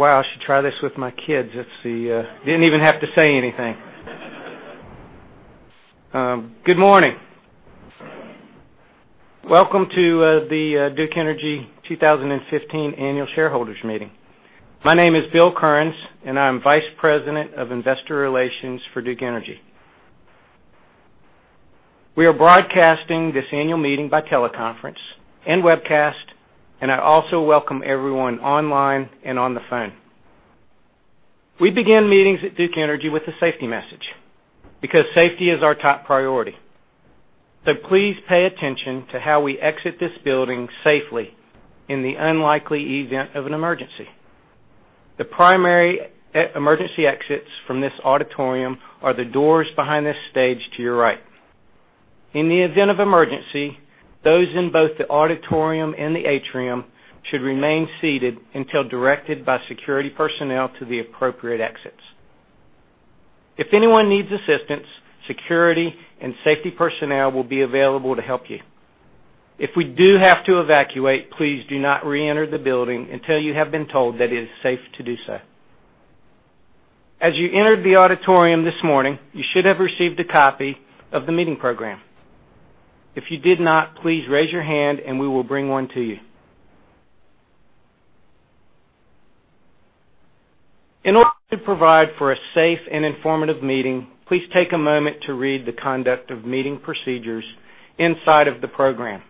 Wow, I should try this with my kids. Didn't even have to say anything. Good morning. Welcome to the Duke Energy 2015 annual shareholders meeting. My name is Bill Kearns, and I'm Vice President of Investor Relations for Duke Energy. We are broadcasting this annual meeting by teleconference and webcast, and I also welcome everyone online and on the phone. We begin meetings at Duke Energy with a safety message, because safety is our top priority. Please pay attention to how we exit this building safely in the unlikely event of an emergency. The primary emergency exits from this auditorium are the doors behind this stage to your right. In the event of emergency, those in both the auditorium and the atrium should remain seated until directed by security personnel to the appropriate exits. If anyone needs assistance, security and safety personnel will be available to help you. If we do have to evacuate, please do not re-enter the building until you have been told that it is safe to do so. As you entered the auditorium this morning, you should have received a copy of the meeting program. If you did not, please raise your hand and we will bring one to you. In order to provide for a safe and informative meeting, please take a moment to read the conduct of meeting procedures inside of the program.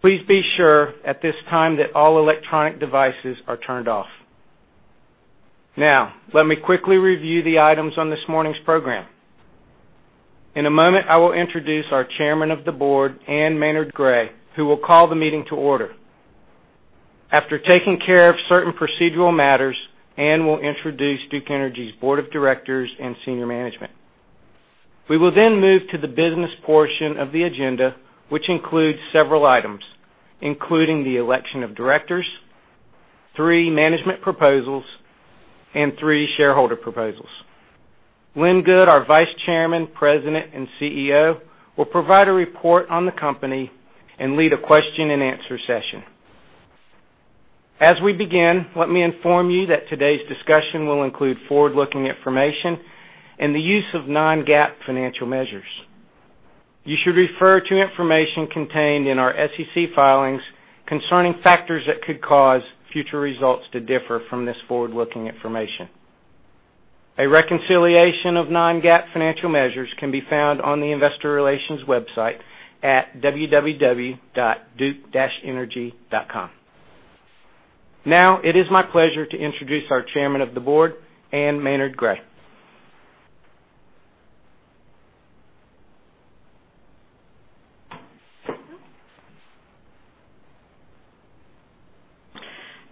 Please be sure at this time that all electronic devices are turned off. Let me quickly review the items on this morning's program. In a moment, I will introduce our Chairman of the Board, Ann Maynard Gray, who will call the meeting to order. After taking care of certain procedural matters, Ann will introduce Duke Energy's board of directors and senior management. We will move to the business portion of the agenda, which includes several items, including the election of directors, three management proposals, and three shareholder proposals. Lynn Good, our Vice Chairman, President, and CEO, will provide a report on the company and lead a question and answer session. Let me inform you that today's discussion will include forward-looking information and the use of non-GAAP financial measures. You should refer to information contained in our SEC filings concerning factors that could cause future results to differ from this forward-looking information. A reconciliation of non-GAAP financial measures can be found on the investor relations website at www.duke-energy.com. It is my pleasure to introduce our Chairman of the Board, Ann Maynard Gray.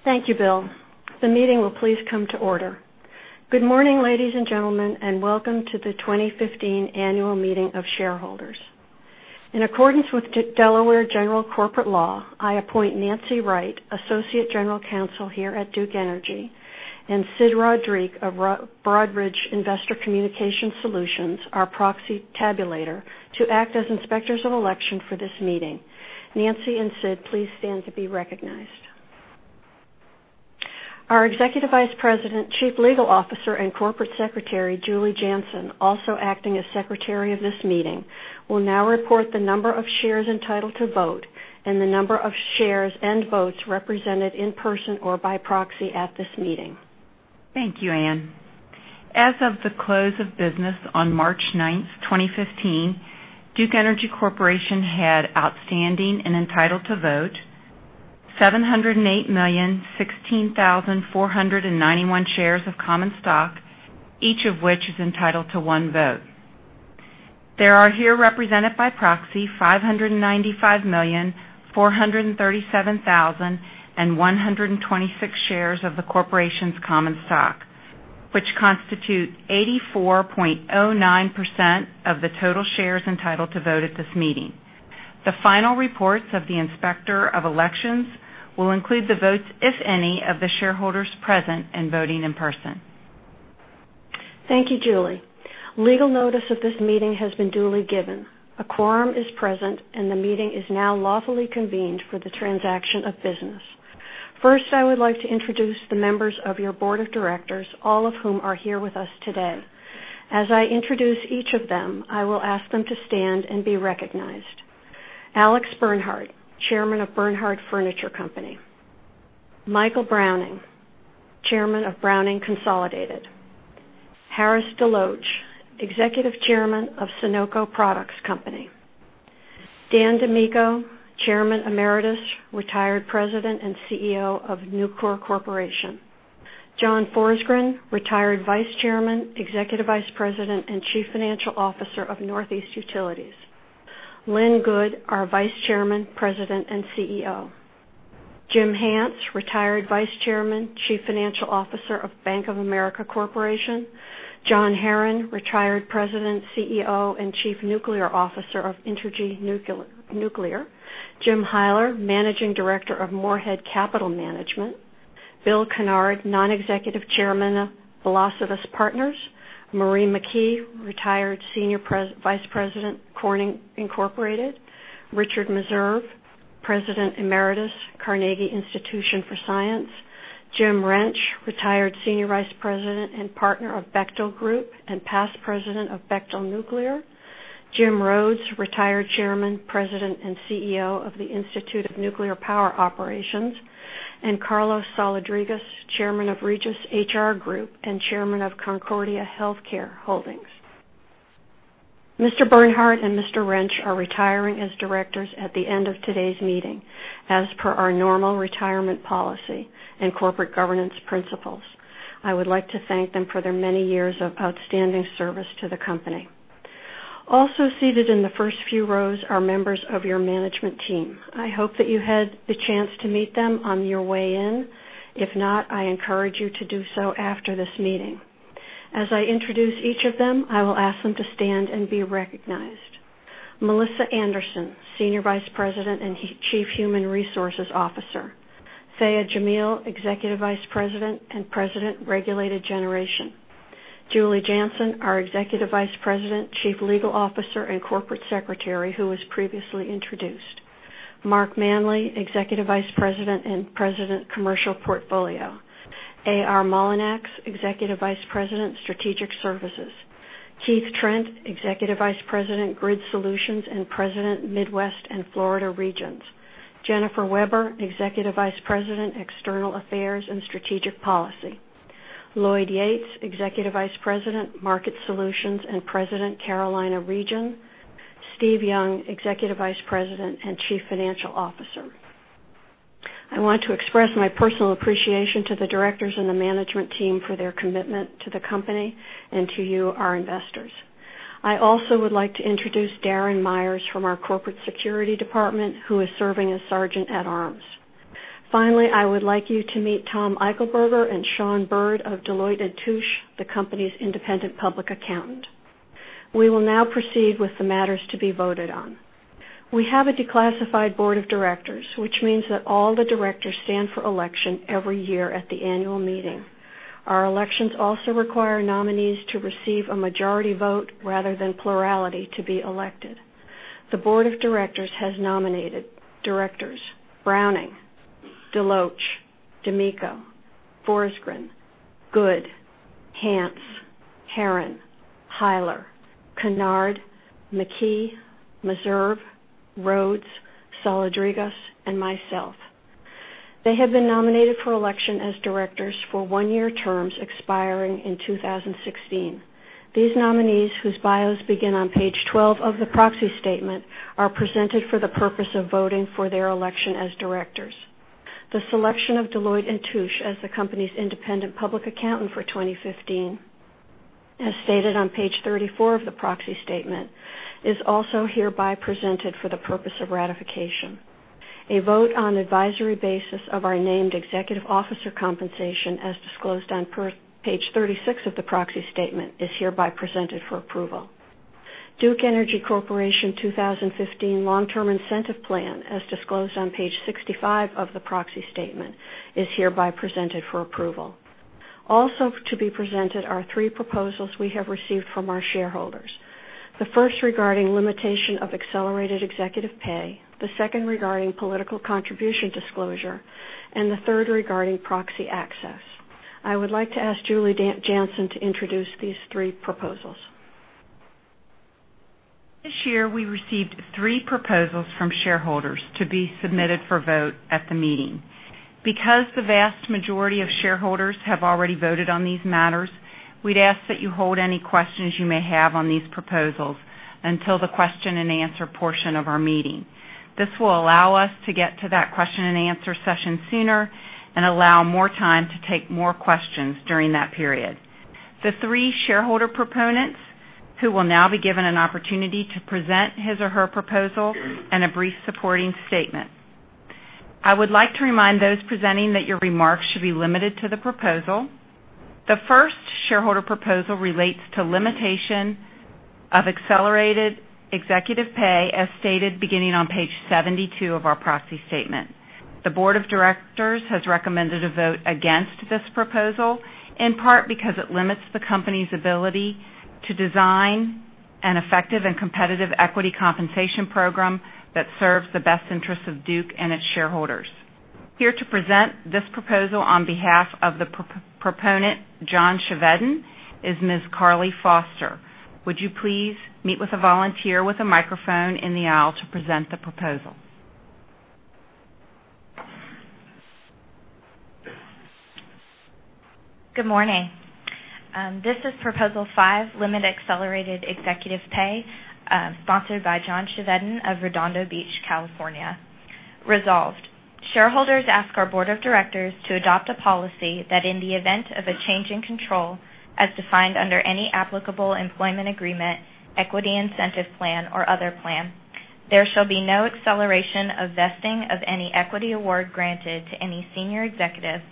Thank you, Bill. The meeting will please come to order. Good morning, ladies and gentlemen, welcome to the 2015 annual meeting of shareholders. In accordance with Delaware general corporate law, I appoint Nancy Wright, Associate General Counsel here at Duke Energy, and Sid Rodrigue of Broadridge Investor Communication Solutions, our proxy tabulator, to act as inspectors of election for this meeting. Nancy and Sid, please stand to be recognized. Our Executive Vice President, Chief Legal Officer, and Corporate Secretary, Julie Janson, also acting as Secretary of this meeting, will report the number of shares entitled to vote and the number of shares and votes represented in person or by proxy at this meeting. Thank you, Ann. As of the close of business on March 9th, 2015, Duke Energy Corporation had outstanding and entitled to vote 708,016,491 shares of common stock, each of which is entitled to one vote. There are here represented by proxy 595,437,126 shares of the corporation's common stock, which constitute 84.09% of the total shares entitled to vote at this meeting. The final reports of the Inspector of Elections will include the votes, if any, of the shareholders present and voting in person. Thank you, Julie. Legal notice of this meeting has been duly given. A quorum is present, the meeting is now lawfully convened for the transaction of business. First, I would like to introduce the members of your board of directors, all of whom are here with us today. As I introduce each of them, I will ask them to stand and be recognized. Alex Bernhardt, Chairman of Bernhardt Furniture Company. Michael Browning, Chairman of Browning Consolidated LLC. Harris DeLoach, Executive Chairman of Sonoco Products Company. Dan DiMicco, Chairman Emeritus, Retired President and CEO of Nucor Corporation. John Forsgren, Retired Vice Chairman, Executive Vice President, and Chief Financial Officer of Northeast Utilities. Lynn Good, our Vice Chairman, President, and CEO. Jim Hance, Retired Vice Chairman, Chief Financial Officer of Bank of America Corporation. John Herron, Retired President, CEO, and Chief Nuclear Officer of Entergy Nuclear. Jim Hyler, Managing Director of Morehead Capital Management. Bill Kennard, Non-Executive Chairman of Velocis Partners. Marie McKee, retired Senior Vice President, Corning Incorporated. Richard Meserve, President Emeritus, Carnegie Institution for Science. Jim Rench, retired Senior Vice President and partner of Bechtel Group, Inc. and past president of Bechtel Nuclear. Jim Rhodes, retired chairman, president, and CEO of the Institute of Nuclear Power Operations. Carlos Saladrigas, chairman of Regis HR Group and chairman of Concordia Healthcare Corp. Mr. Bernhardt and Mr. Rench are retiring as directors at the end of today's meeting, as per our normal retirement policy and corporate governance principles. I would like to thank them for their many years of outstanding service to the company. Also seated in the first few rows are members of your management team. I hope that you had the chance to meet them on your way in. If not, I encourage you to do so after this meeting. As I introduce each of them, I will ask them to stand and be recognized. Melissa Anderson, Senior Vice President and Chief Human Resources Officer. Dhiaa Jamil, Executive Vice President and President, Regulated Generation. Julie Janson, our Executive Vice President, Chief Legal Officer, and Corporate Secretary, who was previously introduced. Marc Manly, Executive Vice President and President, Commercial Portfolio. A.R. Mullinax, Executive Vice President, Strategic Services. Keith Trent, Executive Vice President, Grid Solutions, and President, Midwest and Florida Regions. Jennifer Weber, Executive Vice President, External Affairs and Strategic Policy. Lloyd Yates, Executive Vice President, Market Solutions, and President, Carolina Region. Steve Young, Executive Vice President and Chief Financial Officer. I want to express my personal appreciation to the directors and the management team for their commitment to the company and to you, our investors. I also would like to introduce Darren Myers from our corporate security department, who is serving as Sergeant At Arms. Finally, I would like you to meet Tom Eichelberger and Shawn Bird of Deloitte & Touche, the company's independent public accountant. We will now proceed with the matters to be voted on. We have a declassified Board of Directors, which means that all the directors stand for election every year at the annual meeting. Our elections also require nominees to receive a majority vote rather than plurality to be elected. The Board of Directors has nominated Directors Browning, DeLoach, DiMicco, Forsgren, Good, Hance, Herron, Hyler, Kennard, McKee, Meserve, Rhodes, Saladrigas, and myself. They have been nominated for election as directors for one-year terms expiring in 2016. These nominees, whose bios begin on page 12 of the proxy statement, are presented for the purpose of voting for their election as directors. The selection of Deloitte & Touche as the company's independent public accountant for 2015, as stated on page 34 of the proxy statement, is also hereby presented for the purpose of ratification. A vote on advisory basis of our named executive officer compensation, as disclosed on page 36 of the proxy statement, is hereby presented for approval. Duke Energy Corporation 2015 Long-Term Incentive Plan, as disclosed on page 65 of the proxy statement, is hereby presented for approval. Also to be presented are three proposals we have received from our shareholders. The first regarding limitation of accelerated executive pay, the second regarding political contribution disclosure, and the third regarding proxy access. I would like to ask Julie Janson to introduce these three proposals. This year, we received three proposals from shareholders to be submitted for vote at the meeting. Because the vast majority of shareholders have already voted on these matters, we'd ask that you hold any questions you may have on these proposals until the question and answer portion of our meeting. This will allow us to get to that question and answer session sooner and allow more time to take more questions during that period. The three shareholder proponents who will now be given an opportunity to present his or her proposal and a brief supporting statement. I would like to remind those presenting that your remarks should be limited to the proposal. The first shareholder proposal relates to limitation of accelerated executive pay, as stated beginning on page 72 of our proxy statement. The Board of Directors has recommended a vote against this proposal, in part because it limits the company's ability to design an effective and competitive equity compensation program that serves the best interests of Duke and its shareholders. Here to present this proposal on behalf of the proponent, John Chevedden, is Ms. Carly Davenport. Would you please meet with a volunteer with a microphone in the aisle to present the proposal? Good morning. This is Proposal 5, Limit Accelerated Executive Pay, sponsored by John Chevedden of Redondo Beach, California. Resolved, shareholders ask our board of directors to adopt a policy that in the event of a change in control, as defined under any applicable employment agreement, equity incentive plan, or other plan, there shall be no acceleration of vesting of any equity award granted to any senior executive,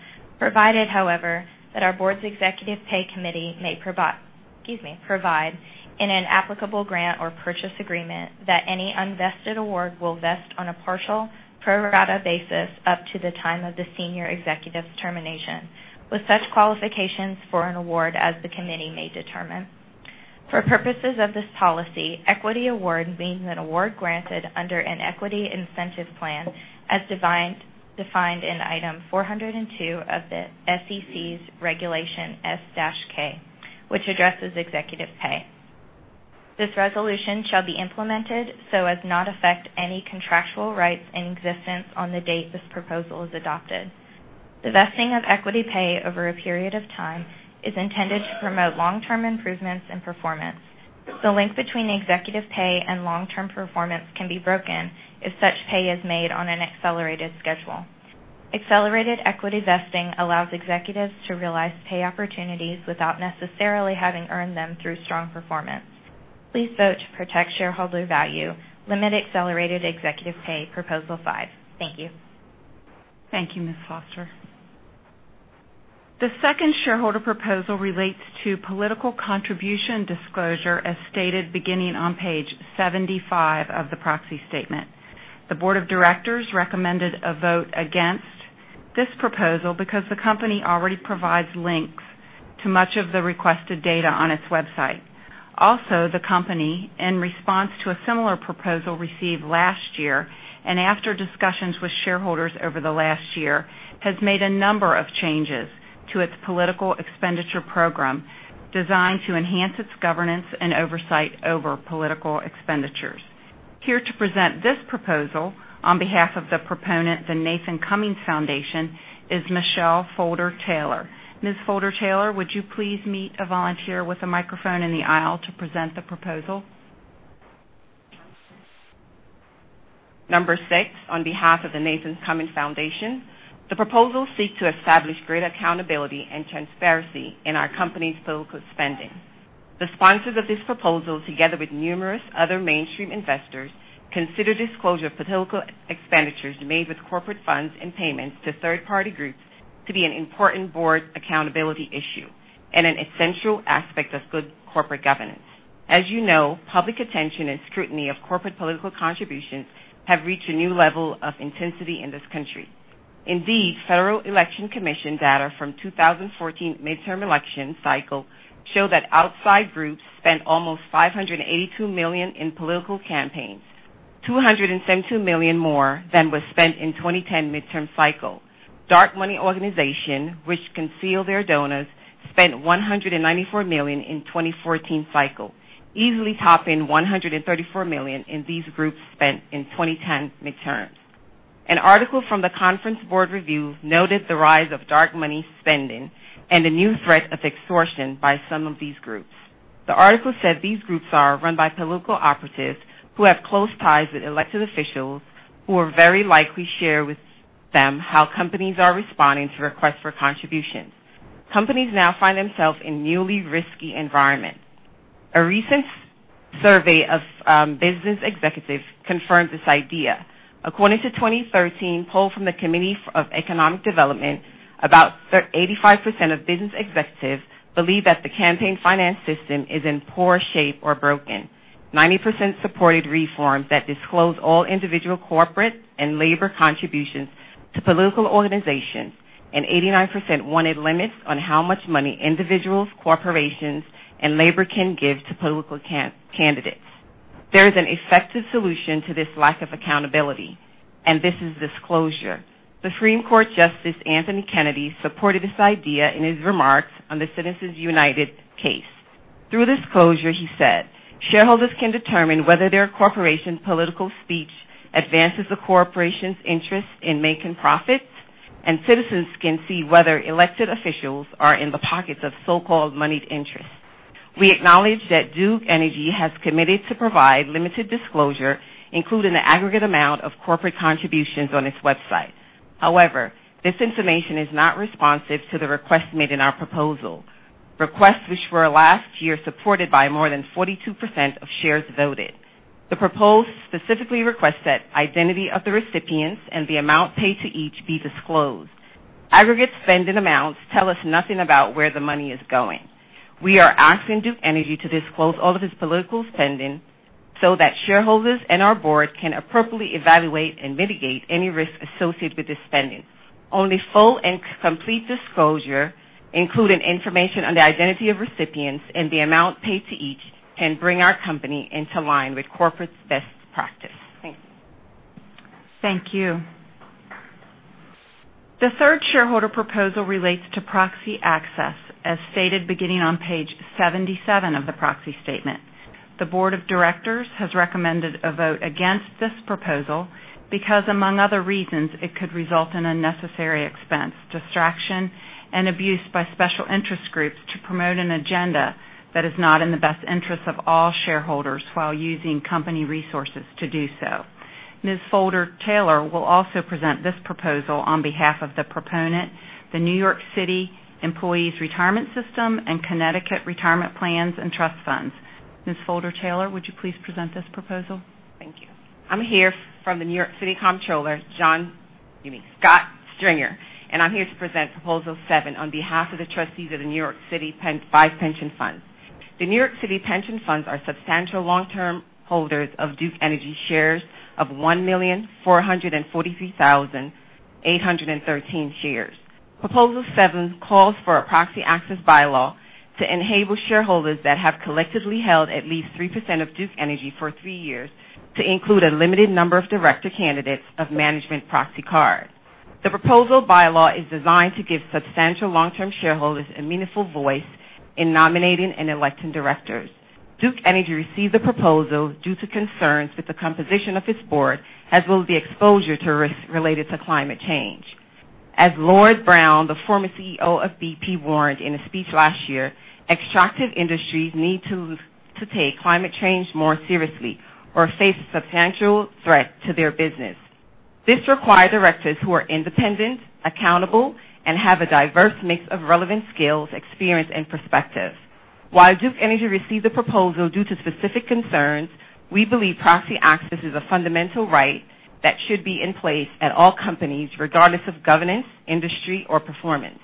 provided, however, that our board's executive pay committee may provide in an applicable grant or purchase agreement that any unvested award will vest on a partial pro rata basis up to the time of the senior executive's termination with such qualifications for an award as the committee may determine. For purposes of this policy, equity award means an award granted under an equity incentive plan as defined in Item 402 of the SEC's Regulation S-K, which addresses executive pay. This resolution shall be implemented so as not affect any contractual rights in existence on the date this proposal is adopted. The vesting of equity pay over a period of time is intended to promote long-term improvements in performance. The link between executive pay and long-term performance can be broken if such pay is made on an accelerated schedule. Accelerated equity vesting allows executives to realize pay opportunities without necessarily having earned them through strong performance. Please vote to protect shareholder value. Limit accelerated executive pay, proposal 5. Thank you. Thank you, Davenport. The second shareholder proposal relates to political contribution disclosure, as stated beginning on page 75 of the proxy statement. The board of directors recommended a vote against this proposal because the company already provides links to much of the requested data on its website. The company, in response to a similar proposal received last year, and after discussions with shareholders over the last year, has made a number of changes to its political expenditure program designed to enhance its governance and oversight over political expenditures. Here to present this proposal on behalf of the proponent, the Nathan Cummings Foundation, is Michelle Folger-Taylor. Ms. Folger-Taylor, would you please meet a volunteer with a microphone in the aisle to present the proposal? Number 6, on behalf of the Nathan Cummings Foundation. The proposal seeks to establish greater accountability and transparency in our company's political spending. The sponsors of this proposal, together with numerous other mainstream investors, consider disclosure of political expenditures made with corporate funds and payments to third-party groups to be an important board accountability issue and an essential aspect of good corporate governance. As you know, public attention and scrutiny of corporate political contributions have reached a new level of intensity in this country. Indeed, Federal Election Commission data from 2014 midterm election cycle show that outside groups spent almost $582 million in political campaigns, $272 million more than was spent in 2010 midterm cycle. Dark money organization, which conceal their donors, spent $194 million in 2014 cycle, easily topping $134 million in these groups spent in 2010 midterms. An article from The Conference Board Review noted the rise of dark money spending and a new threat of extortion by some of these groups. The article said these groups are run by political operatives who have close ties with elected officials who will very likely share with them how companies are responding to requests for contributions. Companies now find themselves in newly risky environments. A recent survey of business executives confirmed this idea. According to 2013 poll from the Committee for Economic Development, about 85% of business executives believe that the campaign finance system is in poor shape or broken. 90% supported reforms that disclose all individual, corporate, and labor contributions to political organizations, and 89% wanted limits on how much money individuals, corporations, and labor can give to political candidates. There is an effective solution to this lack of accountability. This is disclosure. The Supreme Court Justice Anthony Kennedy supported this idea in his remarks on the Citizens United case. "Through disclosure," he said, "shareholders can determine whether their corporation's political speech advances the corporation's interest in making profits, and citizens can see whether elected officials are in the pockets of so-called moneyed interests." We acknowledge that Duke Energy has committed to provide limited disclosure, including the aggregate amount of corporate contributions on its website. However, this information is not responsive to the request made in our proposal, requests which were last year supported by more than 42% of shares voted. The proposal specifically requests that identity of the recipients and the amount paid to each be disclosed. Aggregate spending amounts tell us nothing about where the money is going. We are asking Duke Energy to disclose all of its political spending so that shareholders and our board can appropriately evaluate and mitigate any risk associated with this spending. Only full and complete disclosure, including information on the identity of recipients and the amount paid to each, can bring our company into line with corporate best practice. Thank you. Thank you. The third shareholder proposal relates to proxy access, as stated beginning on page 77 of the proxy statement. The board of directors has recommended a vote against this proposal because, among other reasons, it could result in unnecessary expense, distraction, and abuse by special interest groups to promote an agenda that is not in the best interest of all shareholders while using company resources to do so. Ms. Folger-Taylor will also present this proposal on behalf of the proponent, the New York City Employees' Retirement System and Connecticut Retirement Plans and Trust Funds. Ms. Folger-Taylor, would you please present this proposal? Thank you. I'm here from the New York City Comptroller, Scott Stringer, and I'm here to present Proposal 7 on behalf of the trustees of the New York City five pension funds. The New York City pension funds are substantial long-term holders of Duke Energy shares of 1,443,813 shares. Proposal 7 calls for a proxy access bylaw to enable shareholders that have collectively held at least 3% of Duke Energy for three years to include a limited number of director candidates of management proxy card. The proposal bylaw is designed to give substantial long-term shareholders a meaningful voice in nominating and electing directors. Duke Energy received the proposal due to concerns with the composition of its board, as well as the exposure to risk related to climate change. As Lord Browne, the former CEO of BP, warned in a speech last year, extractive industries need to take climate change more seriously or face substantial threat to their business. This requires directors who are independent, accountable, and have a diverse mix of relevant skills, experience, and perspective. While Duke Energy received the proposal due to specific concerns, we believe proxy access is a fundamental right that should be in place at all companies, regardless of governance, industry, or performance.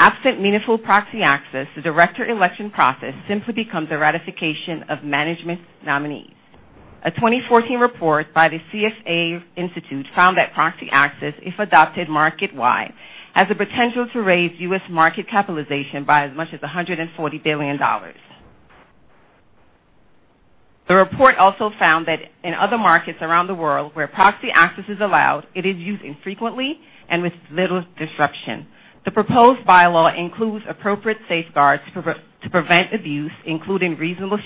Absent meaningful proxy access, the director election process simply becomes a ratification of management's nominees. A 2014 report by the CFA Institute found that proxy access, if adopted market-wide, has the potential to raise U.S. market capitalization by as much as $140 billion. The report also found that in other markets around the world where proxy access is allowed, it is used infrequently and with little disruption. The proposed bylaw includes appropriate safeguards to prevent abuse, including reasonable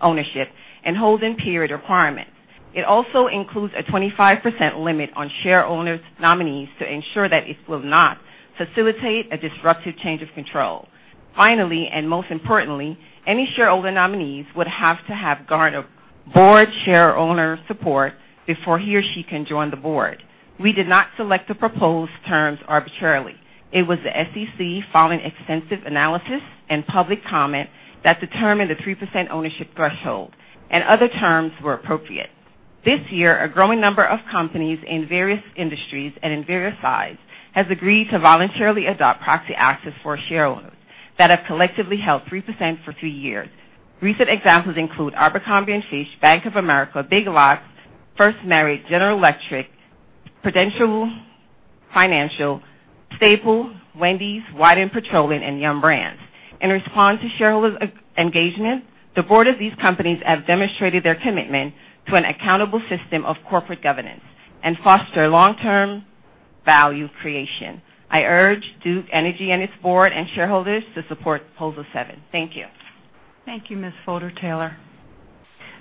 ownership and holding period requirements. It also includes a 25% limit on share owners' nominees to ensure that it will not facilitate a disruptive change of control. Finally, most importantly, any shareholder nominees would have to have garnered board share owner support before he or she can join the board. We did not select the proposed terms arbitrarily. It was the SEC, following extensive analysis and public comment, that determined the 3% ownership threshold and other terms were appropriate. This year, a growing number of companies in various industries and in various sizes has agreed to voluntarily adopt proxy access for shareholders that have collectively held 3% for three years. Recent examples include Abercrombie & Fitch, Bank of America, Big Lots, FirstMerit Corporation, General Electric, Prudential Financial, Staples, Wendy's, Whiting Petroleum, and Yum! Brands. In response to shareholders' engagement, the board of these companies have demonstrated their commitment to an accountable system of corporate governance and foster long-term value creation. I urge Duke Energy and its board and shareholders to support Proposal 7. Thank you. Thank you, Ms. Folger-Taylor.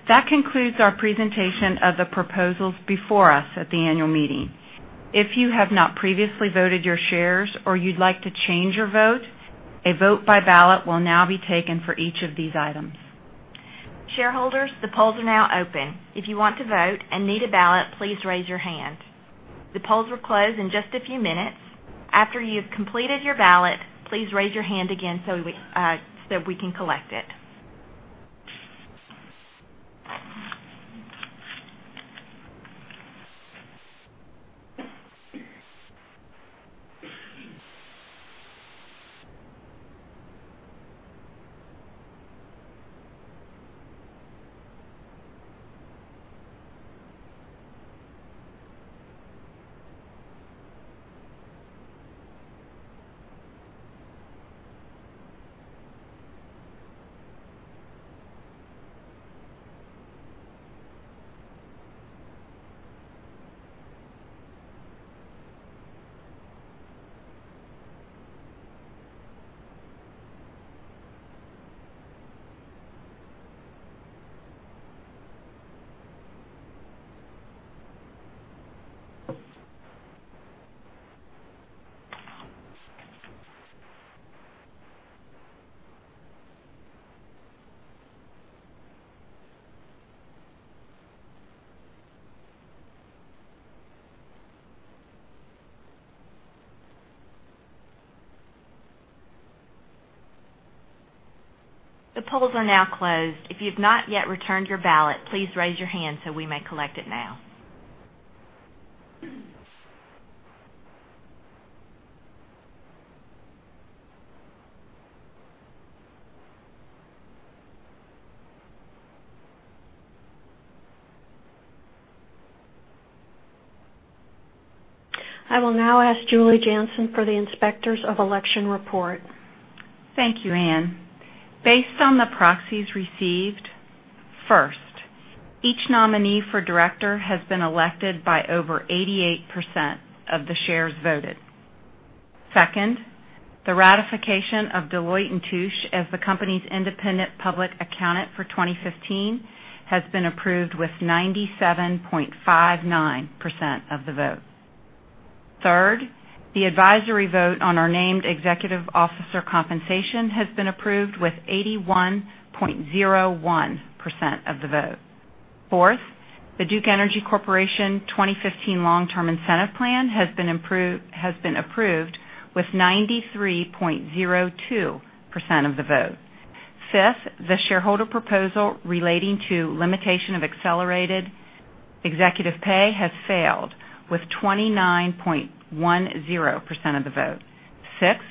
That concludes our presentation of the proposals before us at the annual meeting. If you have not previously voted your shares or you'd like to change your vote, a vote by ballot will now be taken for each of these items. Shareholders, the polls are now open. If you want to vote and need a ballot, please raise your hand. The polls will close in just a few minutes. After you've completed your ballot, please raise your hand again so that we can collect it. The polls are now closed. If you've not yet returned your ballot, please raise your hand so we may collect it now. I will now ask Julia Janson for the inspectors of election report. Thank you, Ann. Based on the proxies received, first, each nominee for director has been elected by over 88% of the shares voted. Second, the ratification of Deloitte & Touche as the company's independent public accountant for 2015 has been approved with 97.59% of the vote. Third, the advisory vote on our named executive officer compensation has been approved with 81.01% of the vote. Fourth, the Duke Energy Corporation 2015 Long-Term Incentive Plan has been approved with 93.02% of the vote. Fifth, the shareholder proposal relating to limitation of accelerated executive pay has failed with 29.10% of the vote. Sixth-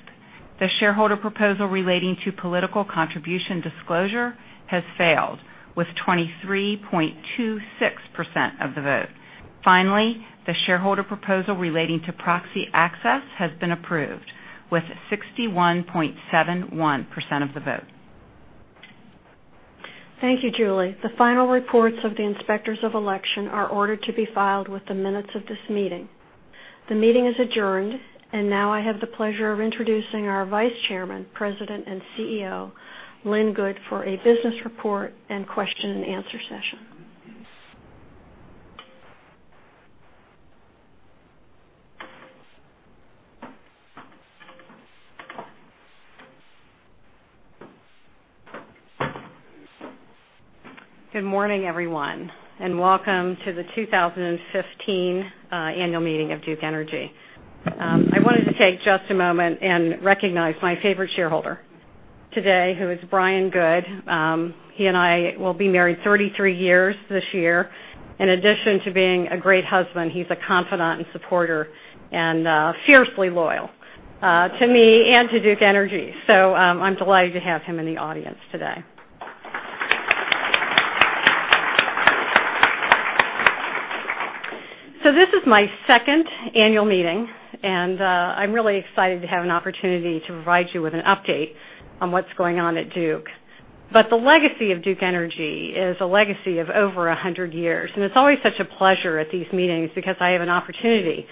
The shareholder proposal relating to political contribution disclosure has failed with 23.26% of the vote. The shareholder proposal relating to proxy access has been approved with 61.71% of the vote. Thank you, Julie. The final reports of the inspectors of election are ordered to be filed with the minutes of this meeting. The meeting is adjourned. Now I have the pleasure of introducing our Vice Chairman, President, and CEO, Lynn Good, for a business report and question and answer session. Good morning, everyone, and welcome to the 2015 annual meeting of Duke Energy. I wanted to take just a moment and recognize my favorite shareholder today, who is Brian Good. He and I will be married 33 years this year. In addition to being a great husband, he's a confidant and supporter and fiercely loyal to me and to Duke Energy. I'm delighted to have him in the audience today. This is my second annual meeting, and I'm really excited to have an opportunity to provide you with an update on what's going on at Duke. The legacy of Duke Energy is a legacy of over 100 years, and it's always such a pleasure at these meetings because I have an opportunity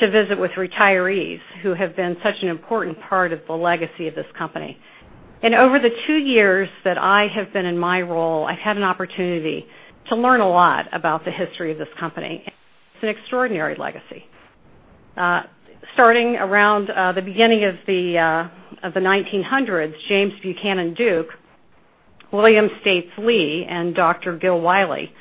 to visit with retirees who have been such an important part of the legacy of this company. Over the two years that I have been in my role, I've had an opportunity to learn a lot about the history of this company. It's an extraordinary legacy. Starting around the beginning of the 1900s, James Buchanan Duke, William States Lee, and Dr. Gill Wylie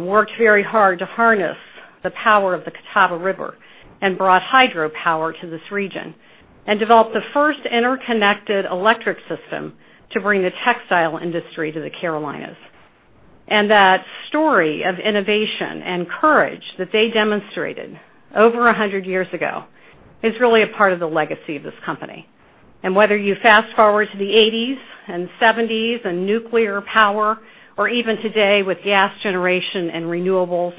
worked very hard to harness the power of the Catawba River and brought hydropower to this region and developed the first interconnected electric system to bring the textile industry to the Carolinas. That story of innovation and courage that they demonstrated over 100 years ago is really a part of the legacy of this company. Whether you fast-forward to the '80s and '70s and nuclear power, or even today with gas generation and renewables,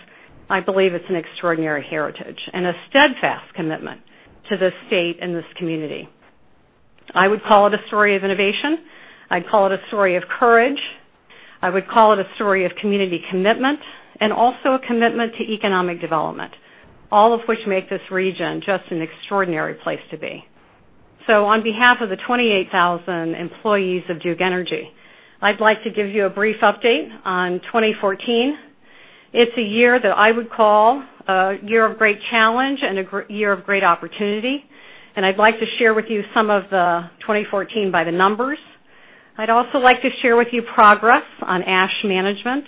I believe it's an extraordinary heritage and a steadfast commitment to this state and this community. I would call it a story of innovation. I'd call it a story of courage. I would call it a story of community commitment and also a commitment to economic development, all of which make this region just an extraordinary place to be. On behalf of the 28,000 employees of Duke Energy, I'd like to give you a brief update on 2014. It's a year that I would call a year of great challenge and a year of great opportunity, and I'd like to share with you some of the 2014 by the numbers. I'd also like to share with you progress on ash management,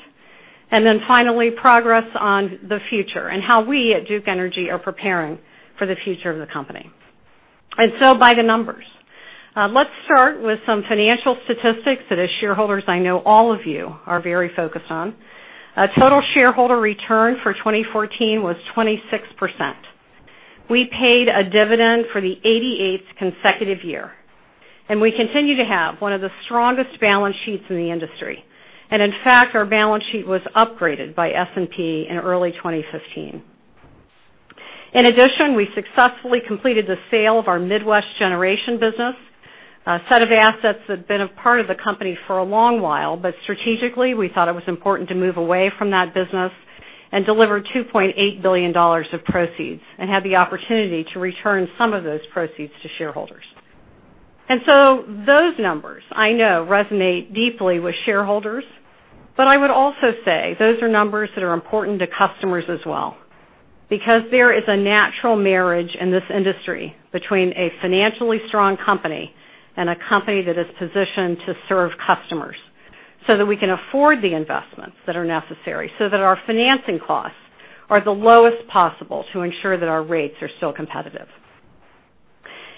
and then finally, progress on the future and how we at Duke Energy are preparing for the future of the company. By the numbers. Let's start with some financial statistics that as shareholders, I know all of you are very focused on. Total shareholder return for 2014 was 26%. We paid a dividend for the 88th consecutive year, and we continue to have one of the strongest balance sheets in the industry. In fact, our balance sheet was upgraded by S&P in early 2015. In addition, we successfully completed the sale of our Midwest generation business, a set of assets that have been a part of the company for a long while, but strategically, we thought it was important to move away from that business and deliver $2.8 billion of proceeds and have the opportunity to return some of those proceeds to shareholders. Those numbers, I know, resonate deeply with shareholders. I would also say those are numbers that are important to customers as well, because there is a natural marriage in this industry between a financially strong company and a company that is positioned to serve customers so that we can afford the investments that are necessary, so that our financing costs are the lowest possible to ensure that our rates are still competitive.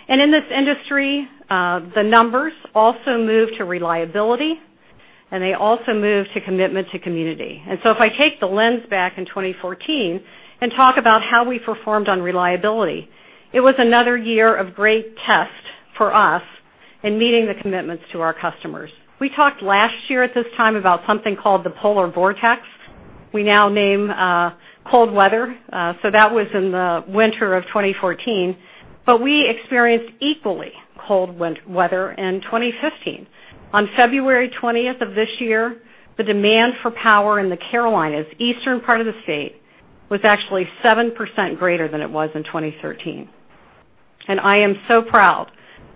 In this industry, the numbers also move to reliability, and they also move to commitment to community. If I take the lens back in 2014 and talk about how we performed on reliability, it was another year of great test for us in meeting the commitments to our customers. We talked last year at this time about something called the polar vortex. We now name cold weather. That was in the winter of 2014. We experienced equally cold weather in 2015. On February 20th of this year, the demand for power in the Carolinas, eastern part of the state, was actually 7% greater than it was in 2013. I am so proud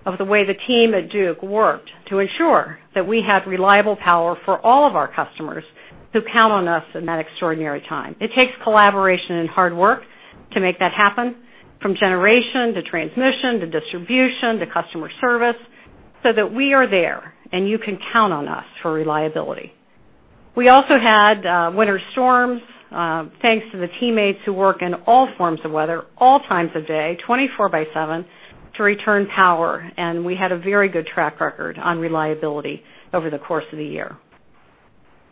of the way the team at Duke worked to ensure that we had reliable power for all of our customers who count on us in that extraordinary time. It takes collaboration and hard work to make that happen, from generation to transmission to distribution to customer service, so that we are there and you can count on us for reliability. We also had winter storms. Thanks to the teammates who work in all forms of weather, all times of day, 24 by seven, to return power, and we had a very good track record on reliability over the course of the year.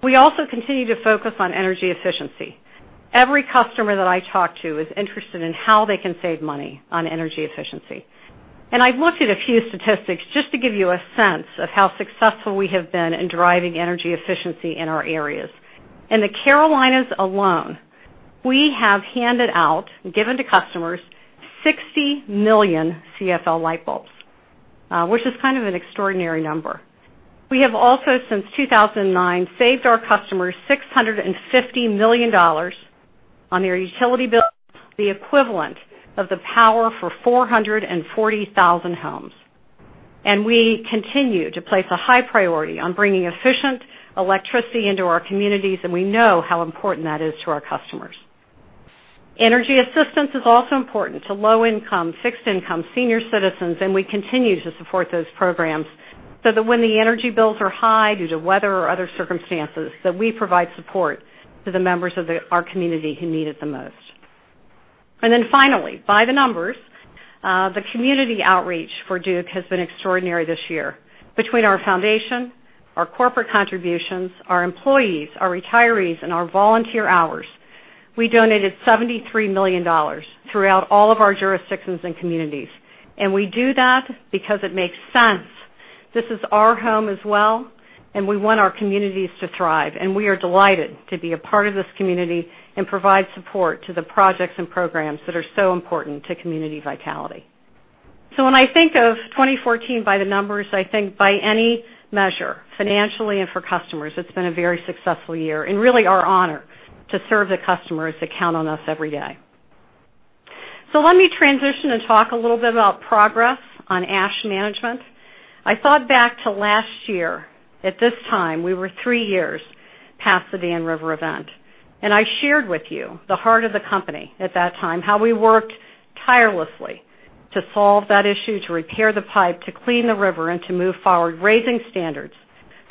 We also continue to focus on energy efficiency. Every customer that I talk to is interested in how they can save money on energy efficiency. I've looked at a few statistics just to give you a sense of how successful we have been in driving energy efficiency in our areas. In the Carolinas alone, we have handed out and given to customers 60 million CFL light bulbs, which is kind of an extraordinary number. We have also, since 2009, saved our customers $650 million on their utility bills, the equivalent of the power for 440,000 homes. We continue to place a high priority on bringing efficient electricity into our communities, and we know how important that is to our customers. Energy assistance is also important to low-income, fixed-income senior citizens, and we continue to support those programs so that when the energy bills are high due to weather or other circumstances, that we provide support to the members of our community who need it the most. Finally, by the numbers, the community outreach for Duke has been extraordinary this year. Between our foundation, our corporate contributions, our employees, our retirees, and our volunteer hours, we donated $73 million throughout all of our jurisdictions and communities. We do that because it makes sense. This is our home as well, and we want our communities to thrive. We are delighted to be a part of this community and provide support to the projects and programs that are so important to community vitality. When I think of 2014 by the numbers, I think by any measure, financially and for customers, it's been a very successful year, and really our honor to serve the customers that count on us every day. Let me transition and talk a little bit about progress on ash management. I thought back to last year. At this time, we were three years past the Dan River event, and I shared with you the heart of the company at that time, how we worked tirelessly to solve that issue, to repair the pipe, to clean the river, and to move forward, raising standards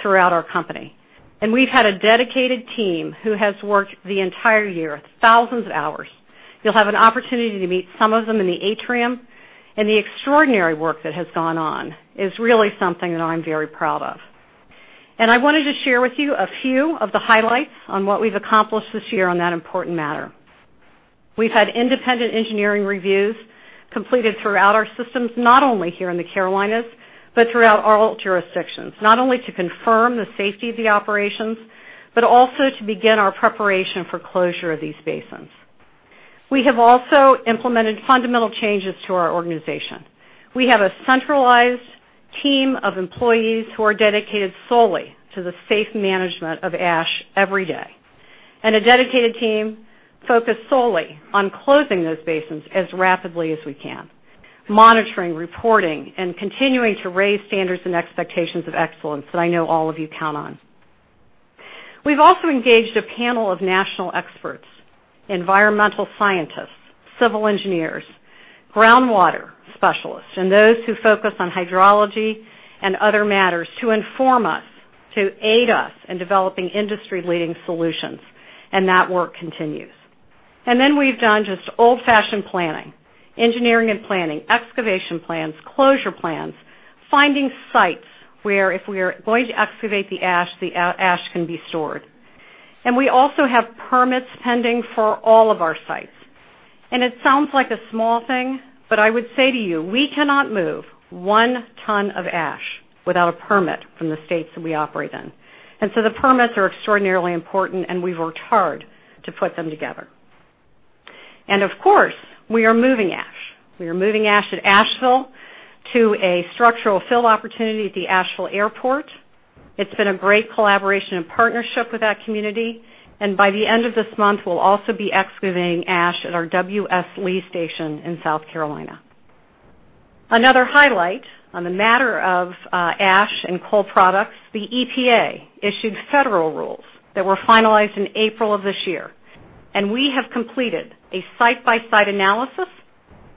throughout our company. We've had a dedicated team who has worked the entire year, thousands of hours. You'll have an opportunity to meet some of them in the atrium, and the extraordinary work that has gone on is really something that I'm very proud of. I wanted to share with you a few of the highlights on what we've accomplished this year on that important matter. We've had independent engineering reviews completed throughout our systems, not only here in the Carolinas, but throughout all jurisdictions, not only to confirm the safety of the operations, but also to begin our preparation for closure of these basins. We have also implemented fundamental changes to our organization. We have a centralized team of employees who are dedicated solely to the safe management of ash every day and a dedicated team focused solely on closing those basins as rapidly as we can. Monitoring, reporting, continuing to raise standards and expectations of excellence that I know all of you count on. We've also engaged a panel of national experts, environmental scientists, civil engineers, groundwater specialists, and those who focus on hydrology and other matters to inform us, to aid us in developing industry-leading solutions. That work continues. Then we've done just old-fashioned planning, engineering and planning, excavation plans, closure plans, finding sites where if we're going to excavate the ash, the ash can be stored. We also have permits pending for all of our sites. It sounds like a small thing, but I would say to you, we cannot move one ton of ash without a permit from the states that we operate in. So the permits are extraordinarily important, and we've worked hard to put them together. Of course, we are moving ash. We are moving ash at Asheville to a structural fill opportunity at the Asheville Airport. It's been a great collaboration and partnership with that community, and by the end of this month, we'll also be excavating ash at our W. S. Lee Station in South Carolina. Another highlight on the matter of ash and coal products, the EPA issued federal rules that were finalized in April of this year. We have completed a site-by-site analysis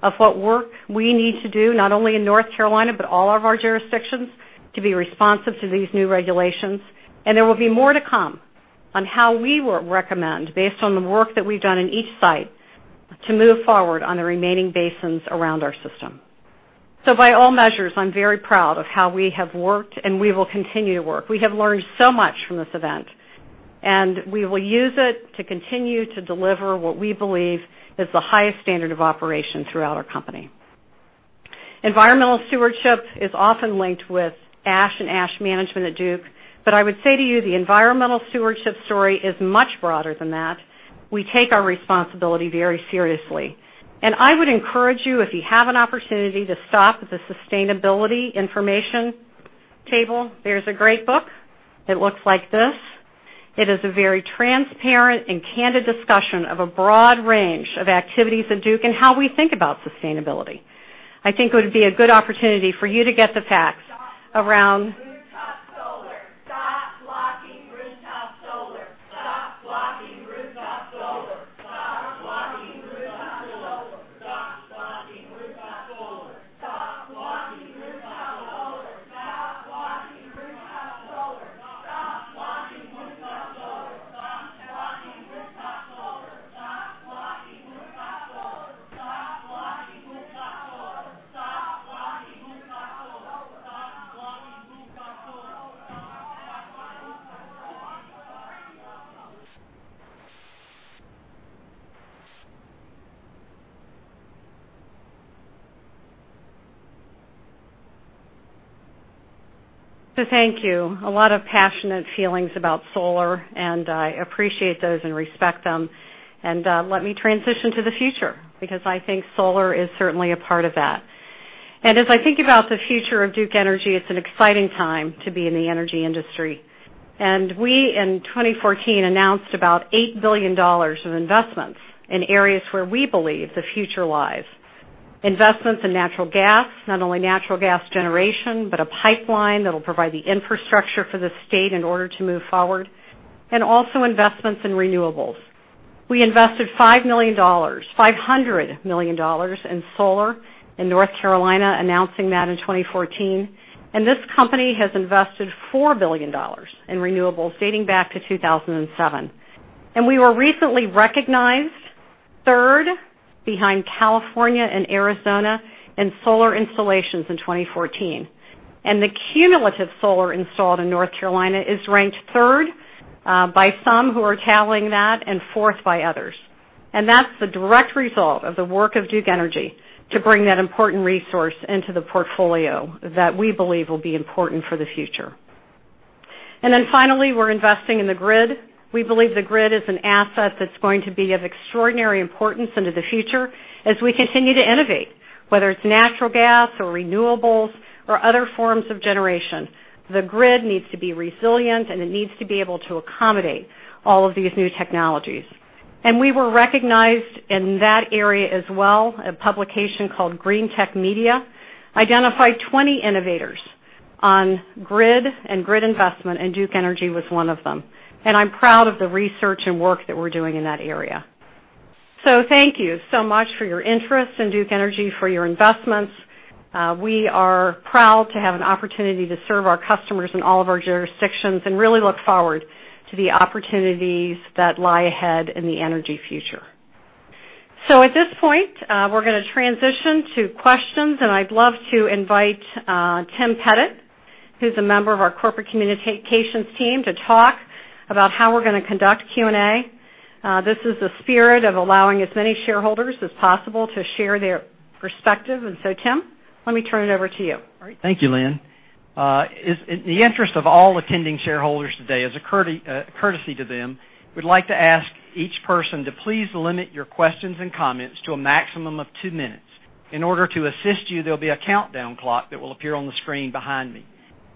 of what work we need to do, not only in North Carolina, but all of our jurisdictions, to be responsive to these new regulations. There will be more to come on how we will recommend, based on the work that we've done in each site, to move forward on the remaining basins around our system. By all measures, I'm very proud of how we have worked, and we will continue to work. We have learned so much from this event, we will use it to continue to deliver what we believe is the highest standard of operation throughout our company. Environmental stewardship is often linked with ash and ash management at Duke, I would say to you, the environmental stewardship story is much broader than that. We take our responsibility very seriously. I would encourage you, if you have an opportunity, to stop at the sustainability information table. There's a great book. It looks like this. It is a very transparent and candid discussion of a broad range of activities at Duke and how we think about sustainability. I think it would be a good opportunity for you to get the facts around. Stop blocking rooftop solar. Thank you. A lot of passionate feelings about solar. I appreciate those and respect them. Let me transition to the future, because I think solar is certainly a part of that. As I think about the future of Duke Energy, it's an exciting time to be in the energy industry. We, in 2014, announced about $8 billion of investments in areas where we believe the future lies. Investments in natural gas, not only natural gas generation, but a pipeline that'll provide the infrastructure for the state in order to move forward. Also investments in renewables. We invested $500 million in solar in North Carolina, announcing that in 2014, and this company has invested $4 billion in renewables dating back to 2007. We were recently recognized third behind California and Arizona in solar installations in 2014. The cumulative solar installed in North Carolina is ranked third by some who are tallying that, and fourth by others. That's the direct result of the work of Duke Energy to bring that important resource into the portfolio that we believe will be important for the future. Finally, we're investing in the grid. We believe the grid is an asset that's going to be of extraordinary importance into the future as we continue to innovate, whether it's natural gas or renewables or other forms of generation. The grid needs to be resilient, and it needs to be able to accommodate all of these new technologies. We were recognized in that area as well. A publication called Greentech Media identified 20 innovators on grid and grid investment. Duke Energy was one of them. I'm proud of the research and work that we're doing in that area. Thank you so much for your interest in Duke Energy, for your investments. We are proud to have an opportunity to serve our customers in all of our jurisdictions and really look forward to the opportunities that lie ahead in the energy future. At this point, we're going to transition to questions. I'd love to invite Tim Pettit, who's a member of our corporate communications team, to talk about how we're going to conduct Q&A. This is the spirit of allowing as many shareholders as possible to share their perspective. Tim, let me turn it over to you. All right. Thank you, Lynn. In the interest of all attending shareholders today, as a courtesy to them, we'd like to ask each person to please limit your questions and comments to a maximum of two minutes. In order to assist you, there'll be a countdown clock that will appear on the screen behind me.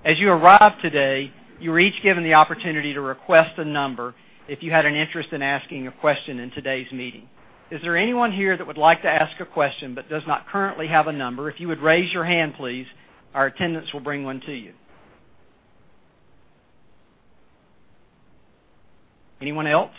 As you arrived today, you were each given the opportunity to request a number if you had an interest in asking a question in today's meeting. Is there anyone here that would like to ask a question but does not currently have a number? If you would raise your hand, please, our attendants will bring one to you. Anyone else?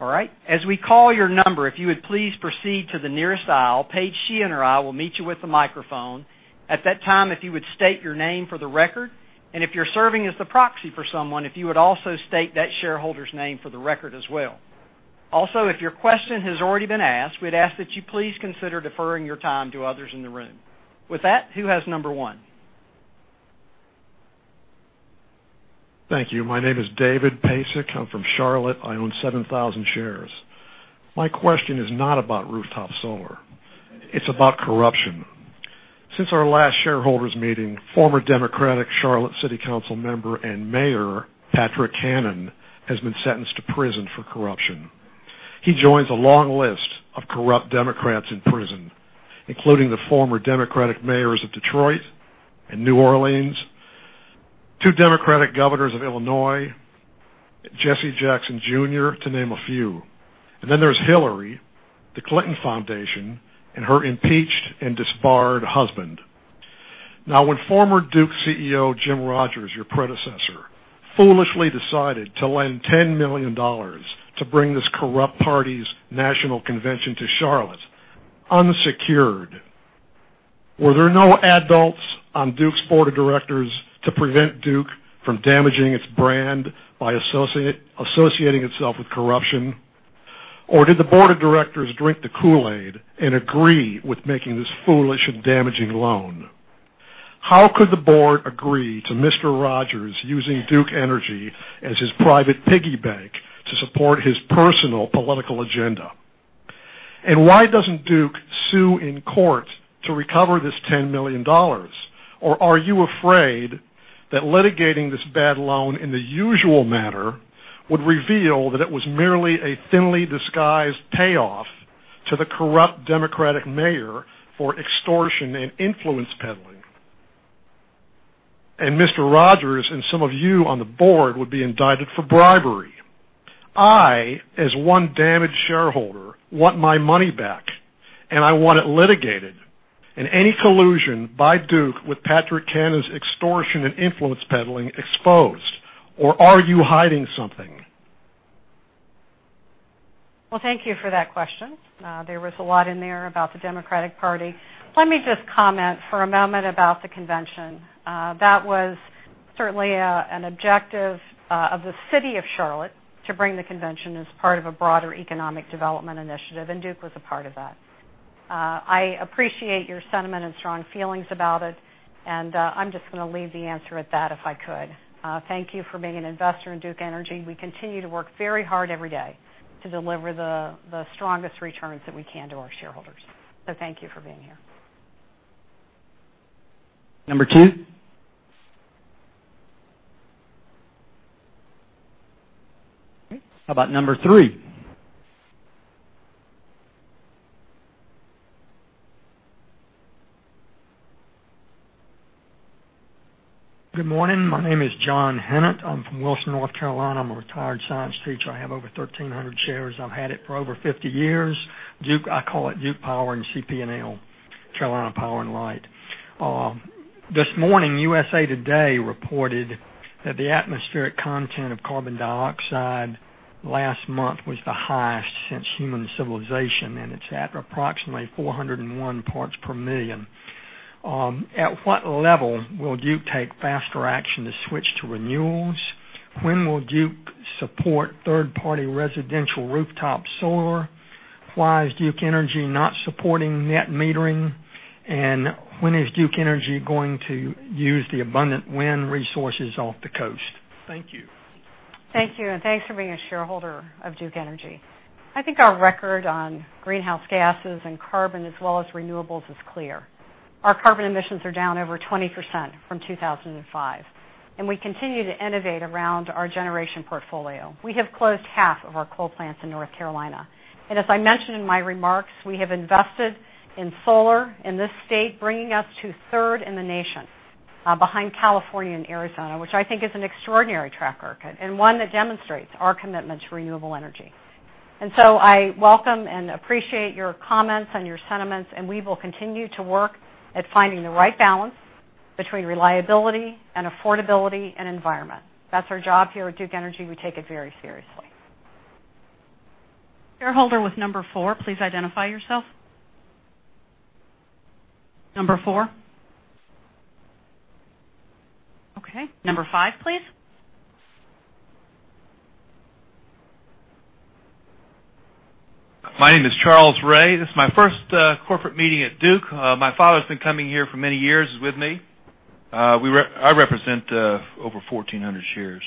All right. As we call your number, if you would please proceed to the nearest aisle. Paige Sheehan or I will meet you with a microphone. At that time, if you would state your name for the record, and if you're serving as the proxy for someone, if you would also state that shareholder's name for the record as well. If your question has already been asked, we'd ask that you please consider deferring your time to others in the room. With that, who has number one? Thank you. My name is David Pasik. I'm from Charlotte. I own 7,000 shares. My question is not about rooftop solar. It's about corruption. Since our last shareholders meeting, former Democratic Charlotte City Council member and mayor, Patrick Cannon, has been sentenced to prison for corruption. He joins a long list of corrupt Democrats in prison, including the former Democratic mayors of Detroit and New Orleans, two Democratic governors of Illinois, Jesse Jackson Jr., to name a few. Then there's Hillary, the Clinton Foundation, and her impeached and disbarred husband. When former Duke CEO, Jim Rogers, your predecessor, foolishly decided to lend $10 million to bring this corrupt party's national convention to Charlotte unsecured, were there no adults on Duke's board of directors to prevent Duke from damaging its brand by associating itself with corruption? Did the board of directors drink the Kool-Aid and agree with making this foolish and damaging loan? How could the board agree to Mr. Rogers using Duke Energy as his private piggy bank to support his personal political agenda? Why doesn't Duke sue in court to recover this $10 million? Are you afraid that litigating this bad loan in the usual manner would reveal that it was merely a thinly disguised payoff to the corrupt Democratic mayor for extortion and influence peddling, and Mr. Rogers and some of you on the board would be indicted for bribery? I, as one damaged shareholder, want my money back, and I want it litigated, and any collusion by Duke with Patrick Cannon's extortion and influence peddling exposed, are you hiding something? Well, thank you for that question. There was a lot in there about the Democratic Party. Let me just comment for a moment about the convention. That was certainly an objective of the city of Charlotte to bring the convention as part of a broader economic development initiative, and Duke was a part of that I appreciate your sentiment and strong feelings about it, and I'm just going to leave the answer at that if I could. Thank you for being an investor in Duke Energy. We continue to work very hard every day to deliver the strongest returns that we can to our shareholders. Thank you for being here. Number 2? Okay, how about number 3? Good morning. My name is John Hennet. I'm from Wilson, North Carolina. I'm a retired science teacher. I have over 1,300 shares. I've had it for over 50 years. I call it Duke Power and CP&L, Carolina Power & Light. This morning, USA Today reported that the atmospheric content of carbon dioxide last month was the highest since human civilization. It's at approximately 401 parts per million. At what level will Duke take faster action to switch to renewables? When will Duke support third-party residential rooftop solar? Why is Duke Energy not supporting net metering? When is Duke Energy going to use the abundant wind resources off the coast? Thank you. Thank you. Thanks for being a shareholder of Duke Energy. I think our record on greenhouse gases and carbon, as well as renewables, is clear. Our carbon emissions are down over 20% from 2005. We continue to innovate around our generation portfolio. We have closed half of our coal plants in North Carolina. As I mentioned in my remarks, we have invested in solar in this state, bringing us to third in the nation behind California and Arizona, which I think is an extraordinary track record and one that demonstrates our commitment to renewable energy. I welcome and appreciate your comments and your sentiments. We will continue to work at finding the right balance between reliability and affordability and environment. That's our job here at Duke Energy. We take it very seriously. Shareholder with number 4, please identify yourself. Number 4? Okay, number 5, please. My name is Charles Ray. This is my first corporate meeting at Duke. My father's been coming here for many years, he's with me. I represent over 1,400 shares.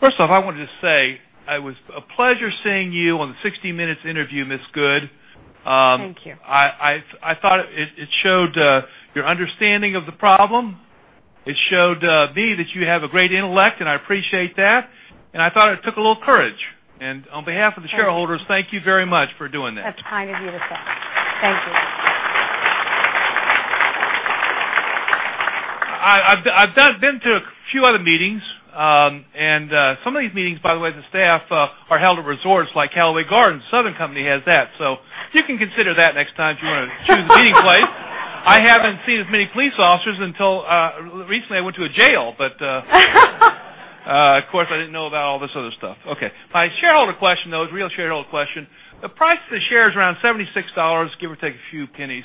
First off, I wanted to say it was a pleasure seeing you on the "60 Minutes" interview, Ms. Good. Thank you. I thought it showed your understanding of the problem. It showed me that you have a great intellect, I appreciate that, I thought it took a little courage. On behalf of the shareholders- Thank you. Thank you very much for doing that. That's kind of you to say. Thank you. I've been to a few other meetings. Some of these meetings, by the way, the staff are held at resorts like Callaway Gardens. Southern Company has that. You can consider that next time you want to choose a meeting place. I haven't seen as many police officers until recently I went to a jail. Of course, I didn't know about all this other stuff. Okay. My shareholder question, though, real shareholder question, the price of the share is around $76, give or take a few pennies.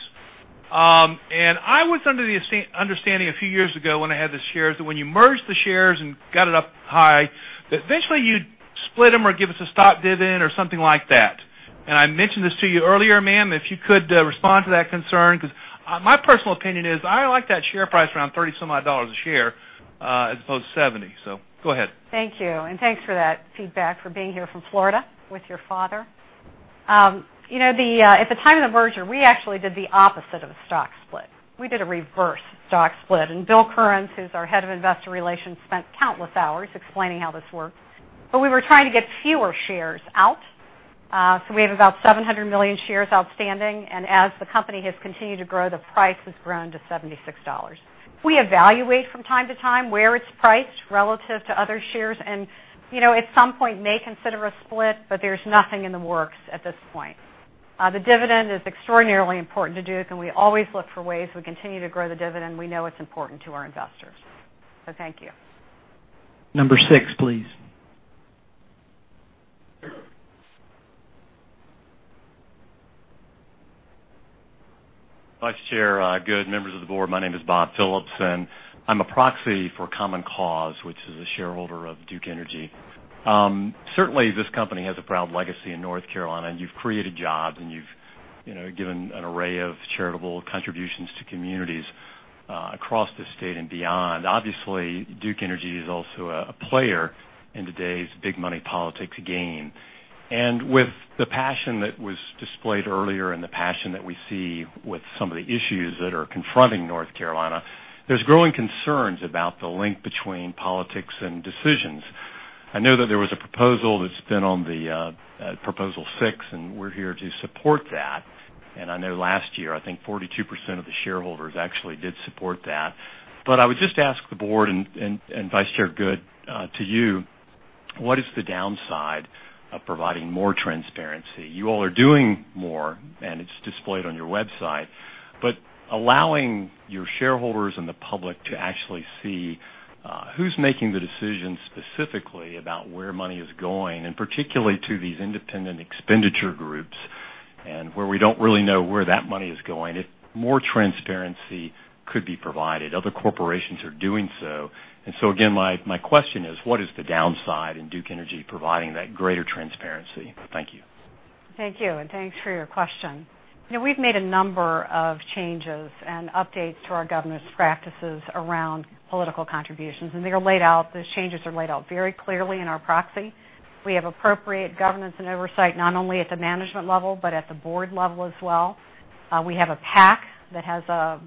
I was under the understanding a few years ago when I had the shares that when you merged the shares and got it up high, that eventually you'd split them or give us a stock dividend or something like that. I mentioned this to you earlier, ma'am, if you could respond to that concern, because my personal opinion is I like that share price around 30 some odd dollars a share, as opposed to 70. Go ahead. Thank you, and thanks for that feedback, for being here from Florida with your father. At the time of the merger, we actually did the opposite of a stock split. We did a reverse stock split, and Bill Kearns, who's our head of investor relations, spent countless hours explaining how this works. We were trying to get fewer shares out. We have about 700 million shares outstanding, and as the company has continued to grow, the price has grown to $76. We evaluate from time to time where it's priced relative to other shares and at some point may consider a split, there's nothing in the works at this point. The dividend is extraordinarily important to Duke, we always look for ways we continue to grow the dividend. We know it's important to our investors. Thank you. Number 6, please. Vice Chair Good, members of the board, my name is Bob Phillips, and I'm a proxy for Common Cause, which is a shareholder of Duke Energy. Certainly, this company has a proud legacy in North Carolina, and you've created jobs, and you've given an array of charitable contributions to communities across the state and beyond. Obviously, Duke Energy is also a player in today's big money politics game. With the passion that was displayed earlier and the passion that we see with some of the issues that are confronting North Carolina, there's growing concerns about the link between politics and decisions. I know that there was a proposal that's been on the proposal 6, and we're here to support that. I know last year, I think 42% of the shareholders actually did support that. I would just ask the board and Vice Chair Good to you, what is the downside of providing more transparency? You all are doing more, and it's displayed on your website. Allowing your shareholders and the public to actually see who's making the decisions specifically about where money is going, and particularly to these independent expenditure groups and where we don't really know where that money is going, if more transparency could be provided. Other corporations are doing so. Again, my question is, what is the downside in Duke Energy providing that greater transparency? Thank you. Thank you, thanks for your question. We've made a number of changes and updates to our governance practices around political contributions. Those changes are laid out very clearly in our proxy. We have appropriate governance and oversight, not only at the management level but at the board level as well. We have a PAC that has a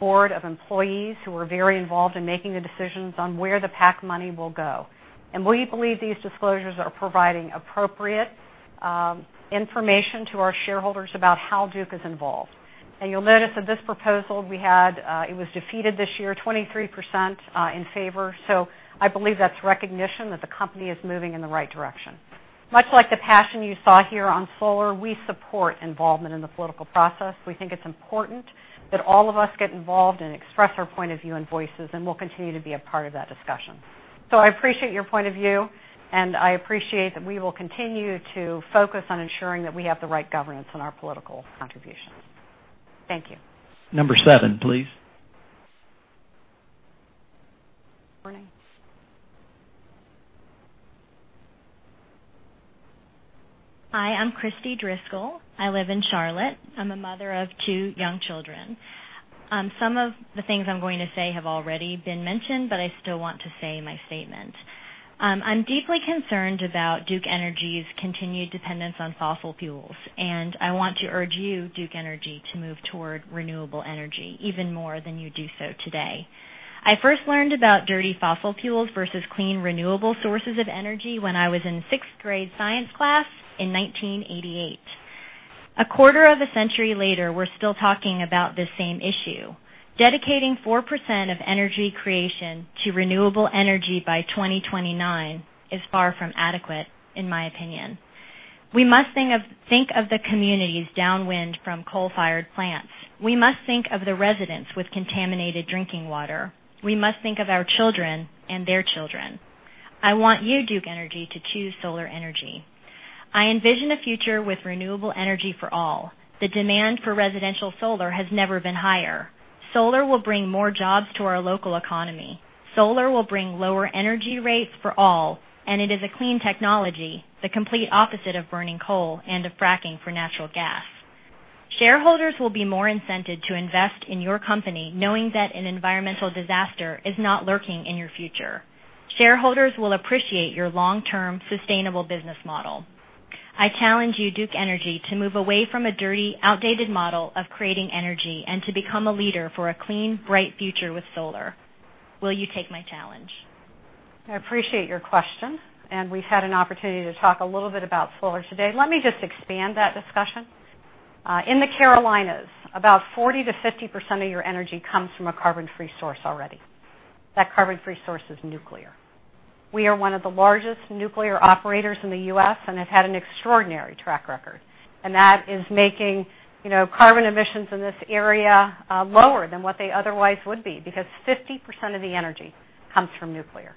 board of employees who are very involved in making the decisions on where the PAC money will go. We believe these disclosures are providing appropriate information to our shareholders about how Duke is involved. Now, you'll notice that this proposal, it was defeated this year, 23% in favor. I believe that's recognition that the company is moving in the right direction. Much like the passion you saw here on solar, we support involvement in the political process. We think it's important that all of us get involved and express our point of view and voices. We'll continue to be a part of that discussion. I appreciate your point of view, and I appreciate that we will continue to focus on ensuring that we have the right governance in our political contributions. Thank you. Number seven, please. Morning. Hi, I'm Christy Driscoll. I live in Charlotte. I'm a mother of two young children. Some of the things I'm going to say have already been mentioned. I still want to say my statement. I'm deeply concerned about Duke Energy's continued dependence on fossil fuels. I want to urge you, Duke Energy, to move toward renewable energy even more than you do so today. I first learned about dirty fossil fuels versus clean, renewable sources of energy when I was in sixth grade science class in 1988. A quarter of a century later, we're still talking about this same issue. Dedicating 4% of energy creation to renewable energy by 2029 is far from adequate, in my opinion. We must think of the communities downwind from coal-fired plants. We must think of the residents with contaminated drinking water. We must think of our children and their children. I want you, Duke Energy, to choose solar energy. I envision a future with renewable energy for all. The demand for residential solar has never been higher. Solar will bring more jobs to our local economy. Solar will bring lower energy rates for all, and it is a clean technology, the complete opposite of burning coal and of fracking for natural gas. Shareholders will be more incented to invest in your company, knowing that an environmental disaster is not lurking in your future. Shareholders will appreciate your long-term, sustainable business model. I challenge you, Duke Energy, to move away from a dirty, outdated model of creating energy and to become a leader for a clean, bright future with solar. Will you take my challenge? I appreciate your question. We've had an opportunity to talk a little bit about solar today. Let me just expand that discussion. In the Carolinas, about 40%-50% of your energy comes from a carbon-free source already. That carbon-free source is nuclear. We are one of the largest nuclear operators in the U.S. and have had an extraordinary track record. That is making carbon emissions in this area lower than what they otherwise would be, because 50% of the energy comes from nuclear.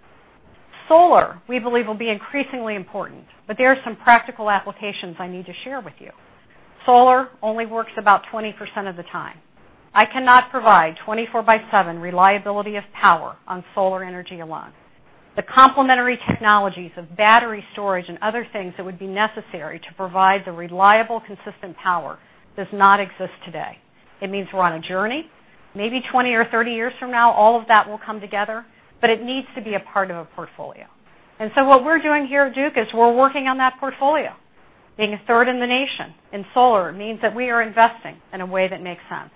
Solar, we believe, will be increasingly important, there are some practical applications I need to share with you. Solar only works about 20% of the time. I cannot provide 24 by seven reliability of power on solar energy alone. The complementary technologies of battery storage and other things that would be necessary to provide the reliable, consistent power does not exist today. It means we're on a journey. Maybe 20 or 30 years from now, all of that will come together, but it needs to be a part of a portfolio. What we're doing here at Duke is we're working on that portfolio. Being third in the nation in solar means that we are investing in a way that makes sense,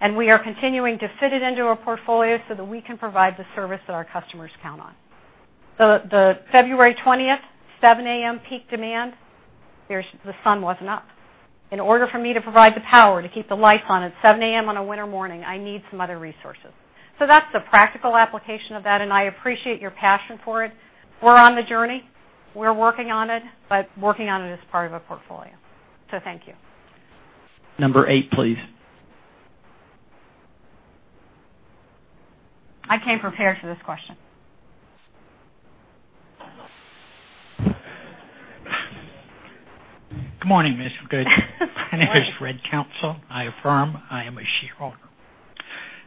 and we are continuing to fit it into our portfolio so that we can provide the service that our customers count on. The February 20th, 7:00 A.M. peak demand, the sun wasn't up. In order for me to provide the power to keep the lights on at 7:00 A.M. on a winter morning, I need some other resources. That's the practical application of that, and I appreciate your passion for it. We're on the journey. We're working on it, working on it as part of a portfolio. Thank you. Number eight, please. I came prepared for this question. Good morning, Ms. Good. Good morning. My name is Red Council. I affirm I am a shareholder,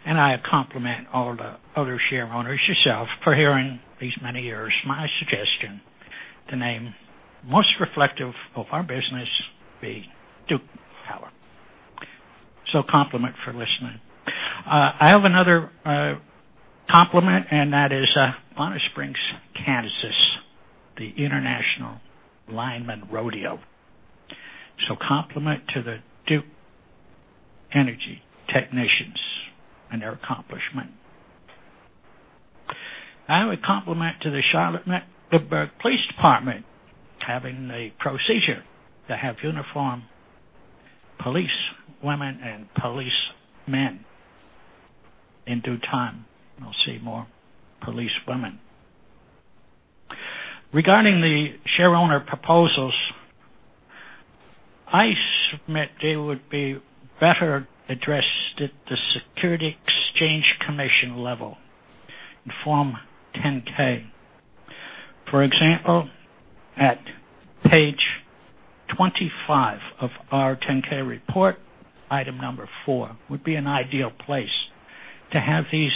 I compliment all the other shareholders, yourself, for hearing these many years my suggestion to name most reflective of our business be Duke Power. Compliment for listening. I have another compliment, and that is Bonner Springs, Kansas, the International Lineman's Rodeo. Compliment to the Duke Energy technicians and their accomplishment. I have a compliment to the Charlotte-Mecklenburg Police Department having a procedure to have uniformed policewomen and policemen. In due time, we'll see more policewomen. Regarding the shareowner proposals, I submit they would be better addressed at the Securities and Exchange Commission level in Form 10-K. For example, at page 25 of our 10-K report, item number four would be an ideal place to have these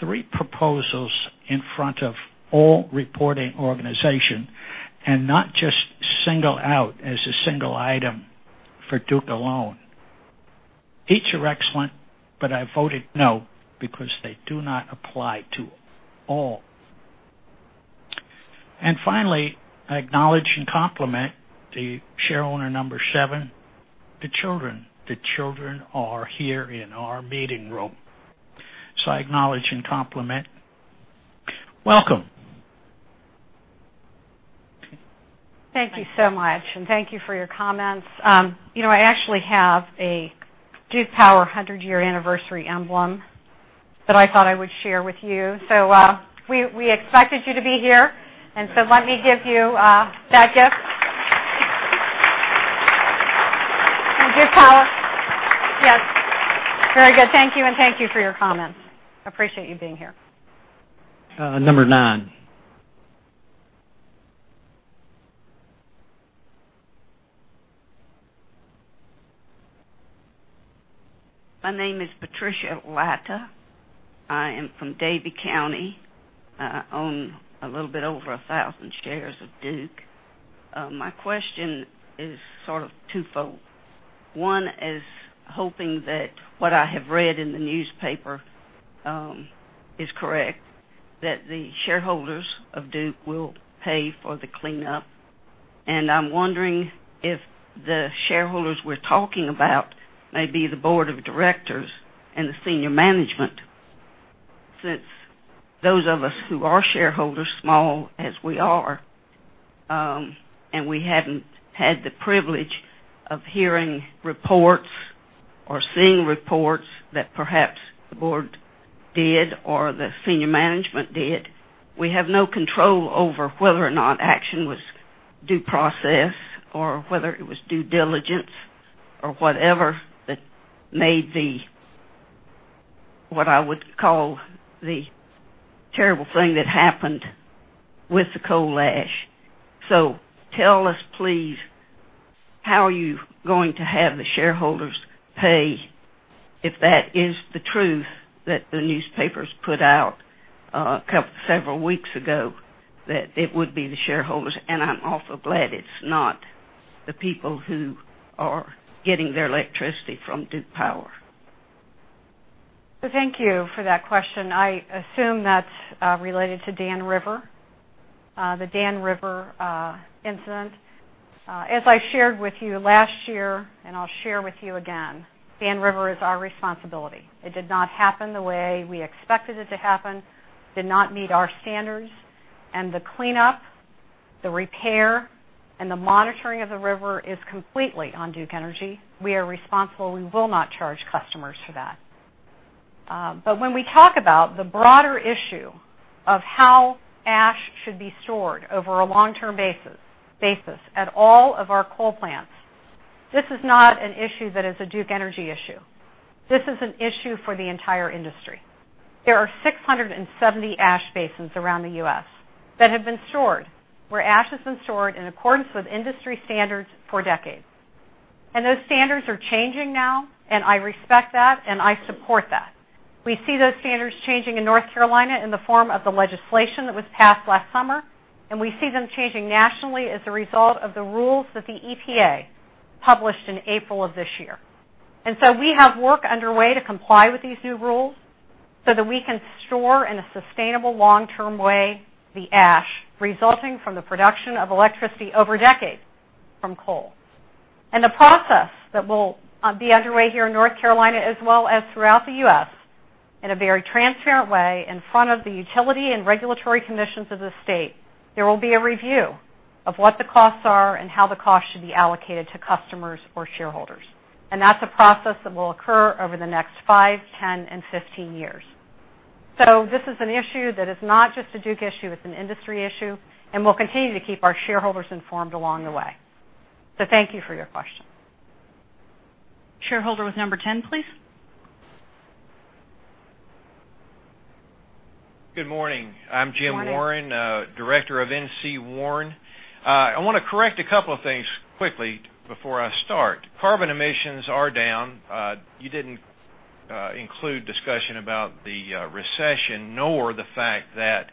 three proposals in front of all reporting organization and not just single out as a single item for Duke alone. Each are excellent, I voted no because they do not apply to all. Finally, I acknowledge and compliment the shareholder number seven, the children. The children are here in our meeting room, I acknowledge and compliment. Welcome. Thank you so much, thank you for your comments. I actually have a Duke Power 100-year anniversary emblem that I thought I would share with you. We expected you to be here, let me give you that gift. Duke Power. Yes. Very good. Thank you, thank you for your comments. I appreciate you being here. Number nine. My name is Patricia Latta. I am from Davie County. I own a little bit over 1,000 shares of Duke. My question is sort of twofold. One is hoping that what I have read in the newspaper is correct, that the shareholders of Duke will pay for the cleanup. I'm wondering if the shareholders we're talking about may be the board of directors and the senior management, since those of us who are shareholders, small as we are, and we haven't had the privilege of hearing reports or seeing reports that perhaps the board did or the senior management did. We have no control over whether or not action was due process or whether it was due diligence or whatever that made the, what I would call the terrible thing that happened with the coal ash. Tell us, please, how are you going to have the shareholders pay if that is the truth that the newspapers put out several weeks ago, that it would be the shareholders, and I'm also glad it's not the people who are getting their electricity from Duke Power. Thank you for that question. I assume that's related to the Dan River incident. As I shared with you last year, and I'll share with you again, Dan River is our responsibility. It did not happen the way we expected it to happen, did not meet our standards, and the cleanup, the repair, and the monitoring of the river is completely on Duke Energy. We are responsible. We will not charge customers for that. When we talk about the broader issue of how ash should be stored over a long-term basis at all of our coal plants, this is not an issue that is a Duke Energy issue. This is an issue for the entire industry. There are 670 ash basins around the U.S. where ash has been stored in accordance with industry standards for decades. Those standards are changing now, and I respect that, and I support that. We see those standards changing in North Carolina in the form of the legislation that was passed last summer, and we see them changing nationally as a result of the rules that the EPA published in April of this year. We have work underway to comply with these new rules so that we can store in a sustainable long-term way, the ash resulting from the production of electricity over decades from coal. The process that will be underway here in North Carolina as well as throughout the U.S. in a very transparent way in front of the utility and regulatory commissions of the state, there will be a review of what the costs are and how the cost should be allocated to customers or shareholders. That's a process that will occur over the next five, 10, and 15 years. This is an issue that is not just a Duke issue, it's an industry issue, and we'll continue to keep our shareholders informed along the way. Thank you for your question. Shareholder with number 10, please. Good morning. Good morning. I'm Jim Warren, director of NC WARN. I want to correct a couple of things quickly before I start. Carbon emissions are down. You didn't include discussion about the recession, nor the fact that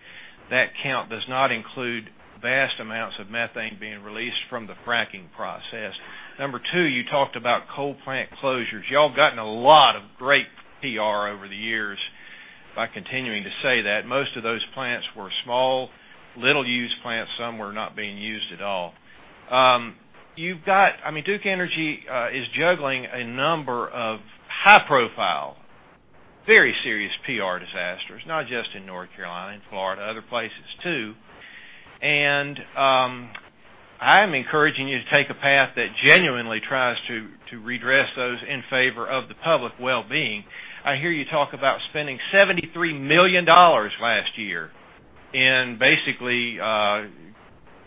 that count does not include vast amounts of methane being released from the fracking process. Number 2, you talked about coal plant closures. Y'all gotten a lot of great PR over the years by continuing to say that. Most of those plants were small, little-used plants. Some were not being used at all. Duke Energy is juggling a number of high-profile, very serious PR disasters, not just in North Carolina, in Florida, other places too and I'm encouraging you to take a path that genuinely tries to redress those in favor of the public well-being. I hear you talk about spending $73 million last year in basically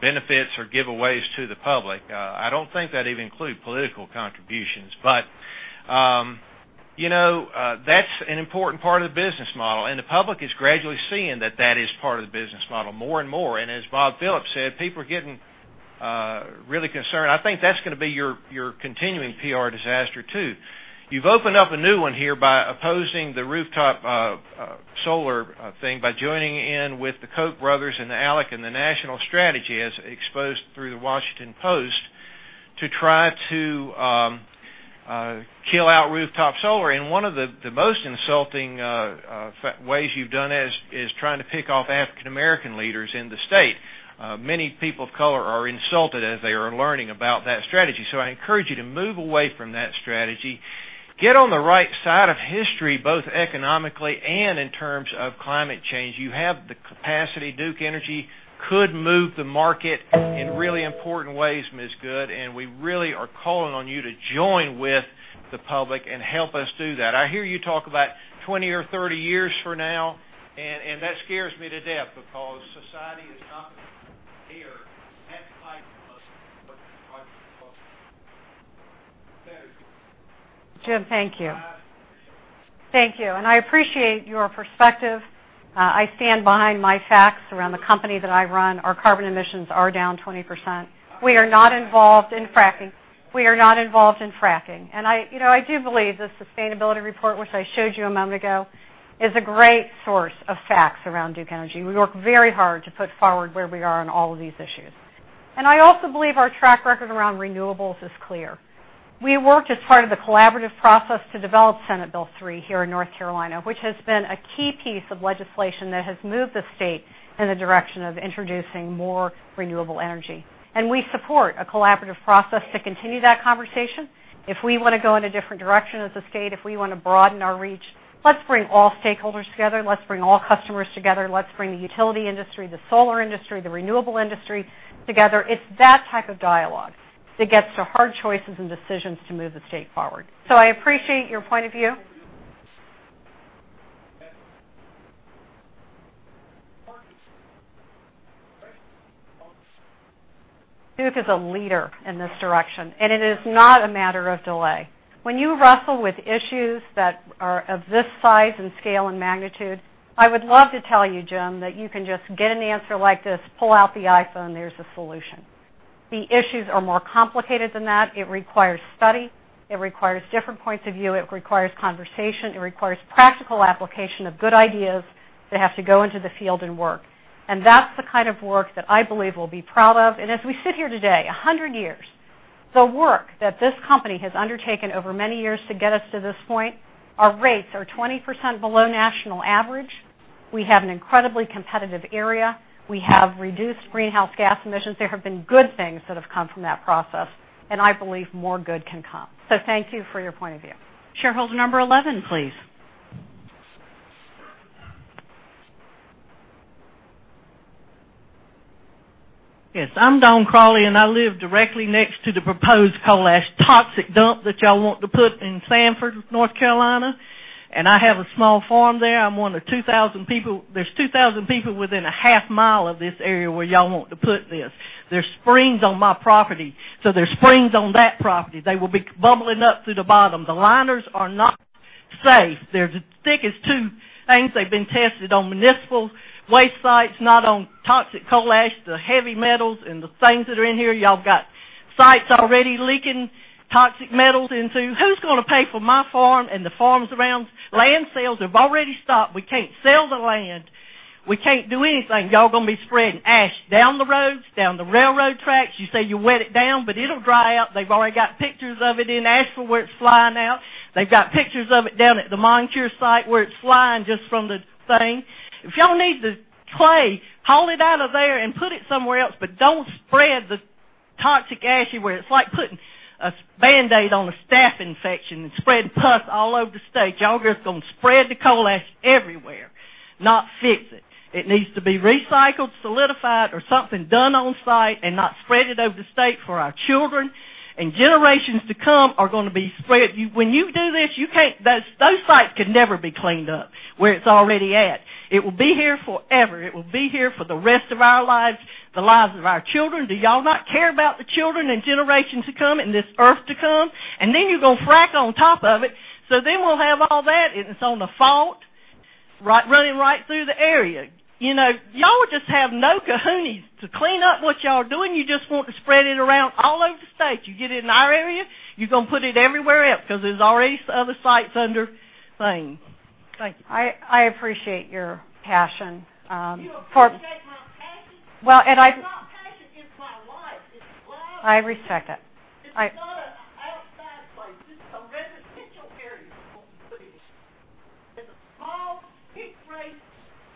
benefits or giveaways to the public. I don't think that even include political contributions, but that's an important part of the business model, and the public is gradually seeing that that is part of the business model more and more. As Bob Phillips said, people are getting really concerned. I think that's going to be your continuing PR disaster, too. You've opened up a new one here by opposing the rooftop solar thing by joining in with the Koch brothers and ALEC and the national strategy, as exposed through The Washington Post, to try to kill out rooftop solar. One of the most insulting ways you've done it is trying to pick off African American leaders in the state. Many people of color are insulted as they are learning about that strategy. I encourage you to move away from that strategy. Get on the right side of history, both economically and in terms of climate change. You have the capacity. Duke Energy could move the market in really important ways, Ms. Good, we really are calling on you to join with the public and help us do that. I hear you talk about 20 or 30 years from now, that scares me to death because society is not here that type of better. Jim, thank you. Thank you, I appreciate your perspective. I stand behind my facts around the company that I run. Our carbon emissions are down 20%. We are not involved in fracking. I do believe the sustainability report, which I showed you a moment ago, is a great source of facts around Duke Energy. We work very hard to put forward where we are on all of these issues. I also believe our track record around renewables is clear. We worked as part of the collaborative process to develop Senate Bill 3 here in North Carolina, which has been a key piece of legislation that has moved the state in the direction of introducing more renewable energy. We support a collaborative process to continue that conversation. If we want to go in a different direction as a state, if we want to broaden our reach, let's bring all stakeholders together. Let's bring all customers together. Let's bring the utility industry, the solar industry, the renewable industry together. It's that type of dialogue that gets to hard choices and decisions to move the state forward. I appreciate your point of view. Duke is a leader in this direction, it is not a matter of delay. When you wrestle with issues that are of this size and scale and magnitude, I would love to tell you, Jim, that you can just get an answer like this, pull out the iPhone, there's a solution. The issues are more complicated than that. It requires study. It requires different points of view. It requires conversation. It requires practical application of good ideas that have to go into the field and work. That's the kind of work that I believe we'll be proud of. As we sit here today, 100 years, the work that this company has undertaken over many years to get us to this point, our rates are 20% below national average. We have an incredibly competitive area. We have reduced greenhouse gas emissions. There have been good things that have come from that process, and I believe more good can come. Thank you for your point of view. Shareholder number 11, please. Yes, I'm Dawn Crawley, and I live directly next to the proposed coal ash toxic dump that y'all want to put in Sanford, North Carolina. I have a small farm there. There are 2,000 people within a half mile of this area where y'all want to put this. There are springs on my property, so there are springs on that property. They will be bubbling up through the bottom. The liners are not safe. They're the thickest two things they've been tested on municipal waste sites, not on toxic coal ash. The heavy metals and the things that are in here, y'all got sites already leaking toxic metals into. Who's going to pay for my farm and the farms around? Land sales have already stopped. We can't sell the land. We can't do anything. Y'all going to be spreading ash down the roads, down the railroad tracks. You say you wet it down, it'll dry out. They've already got pictures of it in Asheville where it's flying out. They've got pictures of it down at the Montour site where it's flying just from the thing. If y'all need the clay, haul it out of there and put it somewhere else, don't spread the toxic ash where it's like putting a Band-Aid on a staph infection and spreading pus all over the state. Y'all are just going to spread the coal ash everywhere, not fix it. It needs to be recycled, solidified, or something done on-site and not spread it over the state for our children and generations to come are going to be spread. When you do this, those sites could never be cleaned up where it's already at. It will be here forever. It will be here for the rest of our lives, the lives of our children. Do y'all not care about the children and generations to come and this earth to come? Then you're going to frack on top of it. Then we'll have all that, and it's on the fault running right through the area. Y'all just have no cojones to clean up what y'all are doing. You just want to spread it around all over the state. You get it in our area, you're going to put it everywhere else because there's already other sites under thing. Thank you. I appreciate your passion. You appreciate my passion? Well, It's not passion, it's my life. I respect it. It's not an outside place. It's a residential area you're going to put it in. It's a small, fifth-grade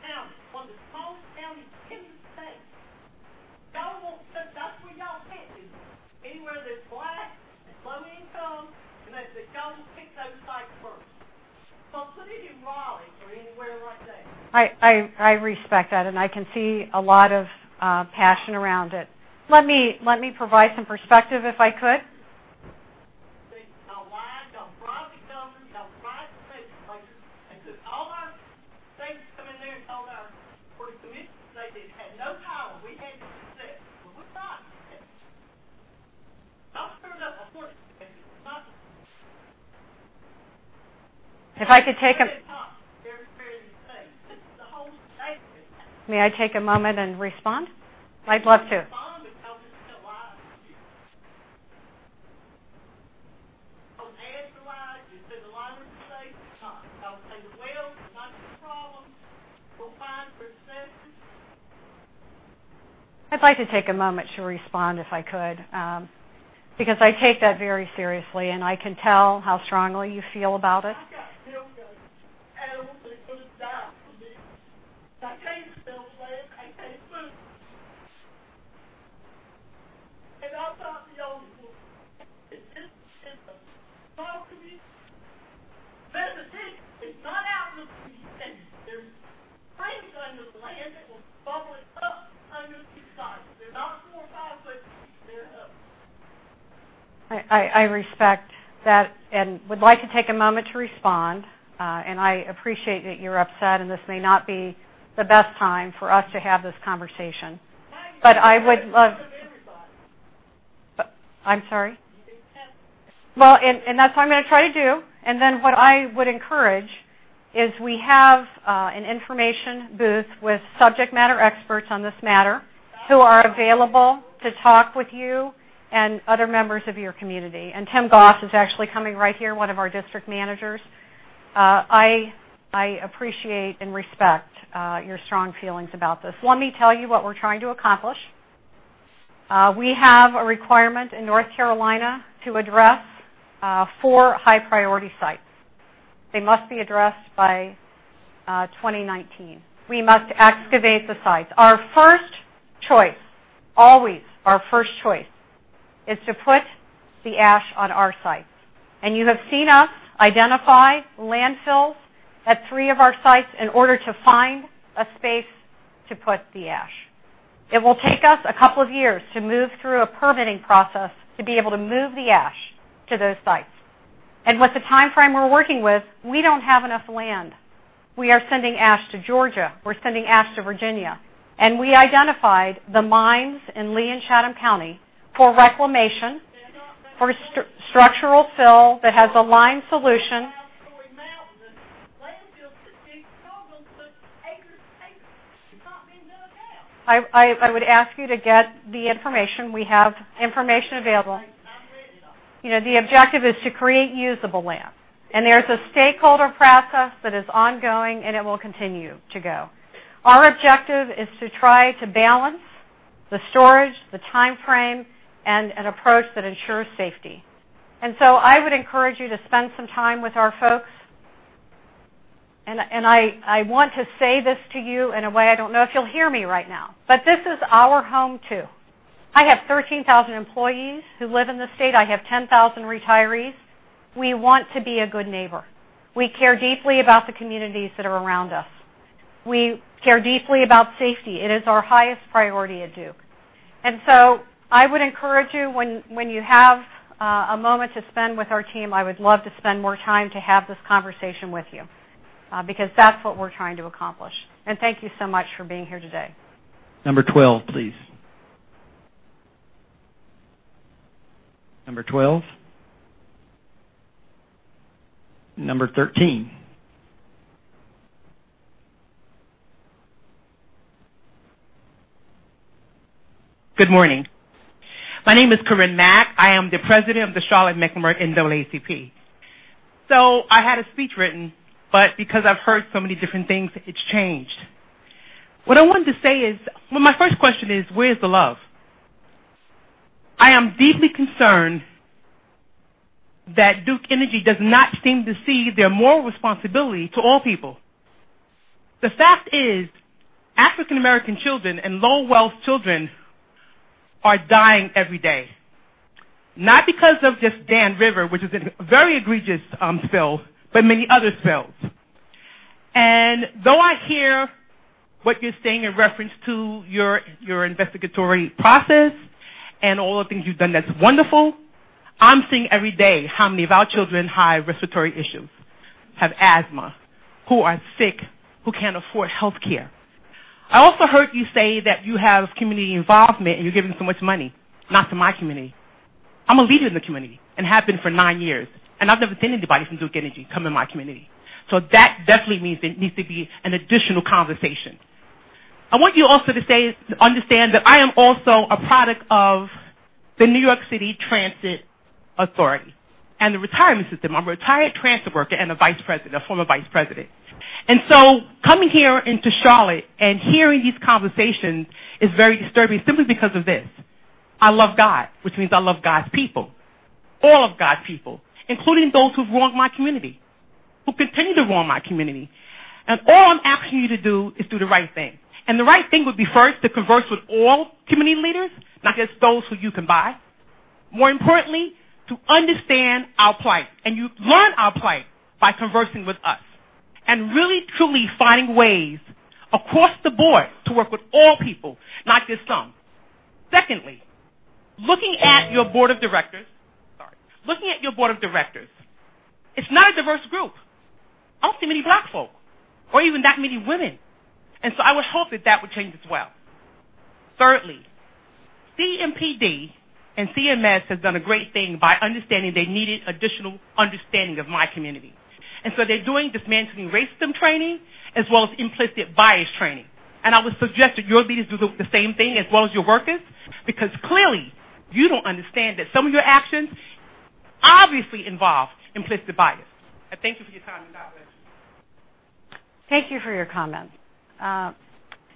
county, one of the smallest counties in the state. That's where y'all put it. Anywhere there's Black and low income, you know that y'all pick those sites first. Put it in Raleigh or anywhere like that. I respect that, and I can see a lot of passion around it. Let me provide some perspective, if I could. Y'all lied. Y'all bribed the governor, y'all bribed the state places. They took all our things, come in there and told our board of commissioners they didn't have no power. We had to accept. Well, we're not accepting. Y'all screwed up our board of- If I could take a- You haven't talked very fair and safe. That's the whole statement. May I take a moment and respond? I'd love to. You can respond, but tell just the lies. Every lie you said, the line was safe. It's not. I would say the wells are not the problem. We're fine for septic. I'd like to take a moment to respond if I could. I take that very seriously, and I can tell how strongly you feel about it. I've got milk that animals ain't gonna die from this. I can't sell the land. I can't food. I'm not the only one. It's just, it's a small community. There's a ditch. It's not out in the deep end. There's frames under the land that will bubble it up under each side. They're not four miles away. They're up. I respect that and would like to take a moment to respond. I appreciate that you're upset, and this may not be the best time for us to have this conversation. You need to test in front of everybody. I'm sorry? You need to test. That's what I'm going to try to do. What I would encourage is we have an information booth with subject matter experts on this matter who are available to talk with you and other members of your community. Tim Goss is actually coming right here, one of our district managers. I appreciate and respect your strong feelings about this. Let me tell you what we're trying to accomplish. We have a requirement in North Carolina to address four high priority sites. They must be addressed by 2019. We must excavate the sites. Our first choice, always our first choice, is to put the ash on our sites. You have seen us identify landfills at three of our sites in order to find a space to put the ash. It will take us a couple of years to move through a permitting process to be able to move the ash to those sites. With the timeframe we're working with, we don't have enough land. We are sending ash to Georgia. We're sending ash to Virginia. We identified the mines in Lee and Chatham County for reclamation. They're not making. for structural fill that has a lined solution. They're going down to the mountains. Landfills this big probably took acres and acres. It's not being done now. I would ask you to get the information. We have information available. I'm reading it. The objective is to create usable land, and there's a stakeholder process that is ongoing, and it will continue to go. Our objective is to try to balance the storage, the timeframe, and an approach that ensures safety. I would encourage you to spend some time with our folks. I want to say this to you in a way I don't know if you'll hear me right now, but this is our home, too. I have 13,000 employees who live in the state. I have 10,000 retirees. We want to be a good neighbor. We care deeply about the communities that are around us. We care deeply about safety. It is our highest priority at Duke. I would encourage you when you have a moment to spend with our team, I would love to spend more time to have this conversation with you. Because that's what we're trying to accomplish. Thank you so much for being here today. Number 12, please. Number 12? Number 13. Good morning. My name is Corinne Mack. I am the president of the Charlotte-Mecklenburg NAACP. I had a speech written, but because I've heard so many different things, it's changed. What I wanted to say is Well, my first question is, where's the love? I am deeply concerned that Duke Energy does not seem to see their moral responsibility to all people. The fact is, African American children and low-wealth children are dying every day, not because of this Dan River, which is a very egregious spill, but many other spills. Though I hear what you're saying in reference to your investigatory process and all the things you've done, that's wonderful. I'm seeing every day how many of our children have respiratory issues, have asthma, who are sick, who can't afford healthcare. I also heard you say that you have community involvement and you're giving so much money. Not to my community. I'm a leader in the community and have been for nine years, and I've never seen anybody from Duke Energy come in my community. That definitely means there needs to be an additional conversation. I want you also to understand that I am also a product of the New York City Transit Authority and the retirement system. I'm a retired transit worker and a vice president, a former vice president. Coming here into Charlotte and hearing these conversations is very disturbing simply because of this. I love God, which means I love God's people, all of God's people, including those who've wronged my community, who continue to wrong my community. All I'm asking you to do is do the right thing. The right thing would be first to converse with all community leaders, not just those who you can buy. More importantly, to understand our plight, and you learn our plight by conversing with us and really, truly finding ways across the board to work with all people, not just some. Secondly, looking at your board of directors. Sorry. Looking at your board of directors, it's not a diverse group. I don't see many Black folk or even that many women. I would hope that that would change as well. Thirdly, CMPD and CMS have done a great thing by understanding they needed additional understanding of my community. They're doing dismantling racism training as well as implicit bias training. I would suggest that your leaders do the same thing as well as your workers, because clearly you don't understand that some of your actions obviously involve implicit bias. I thank you for your time and God bless you. Thank you for your comment.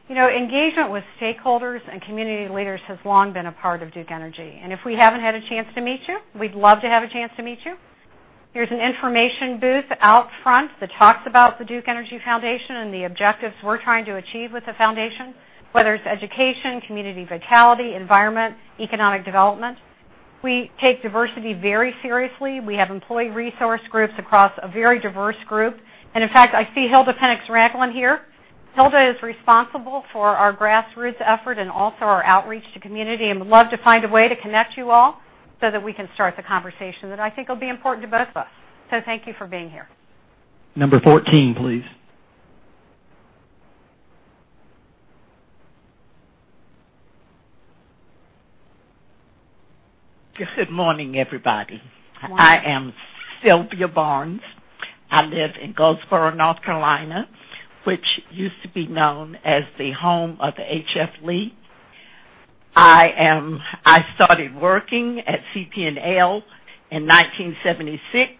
Engagement with stakeholders and community leaders has long been a part of Duke Energy, and if we haven't had a chance to meet you, we'd love to have a chance to meet you. There's an information booth out front that talks about the Duke Energy Foundation and the objectives we're trying to achieve with the foundation, whether it's education, community vitality, environment, economic development. We take diversity very seriously. We have employee resource groups across a very diverse group. In fact, I see Hilda Pinnix-Ragland here. Hilda is responsible for our grassroots effort and also our outreach to community, and would love to find a way to connect you all so that we can start the conversation that I think will be important to both of us. Thank you for being here. Number 14, please. Good morning, everybody. Morning. I am Sylvia Barnes. I live in Goldsboro, North Carolina, which used to be known as the home of the H.F. Lee. I started working at CP&L in 1976,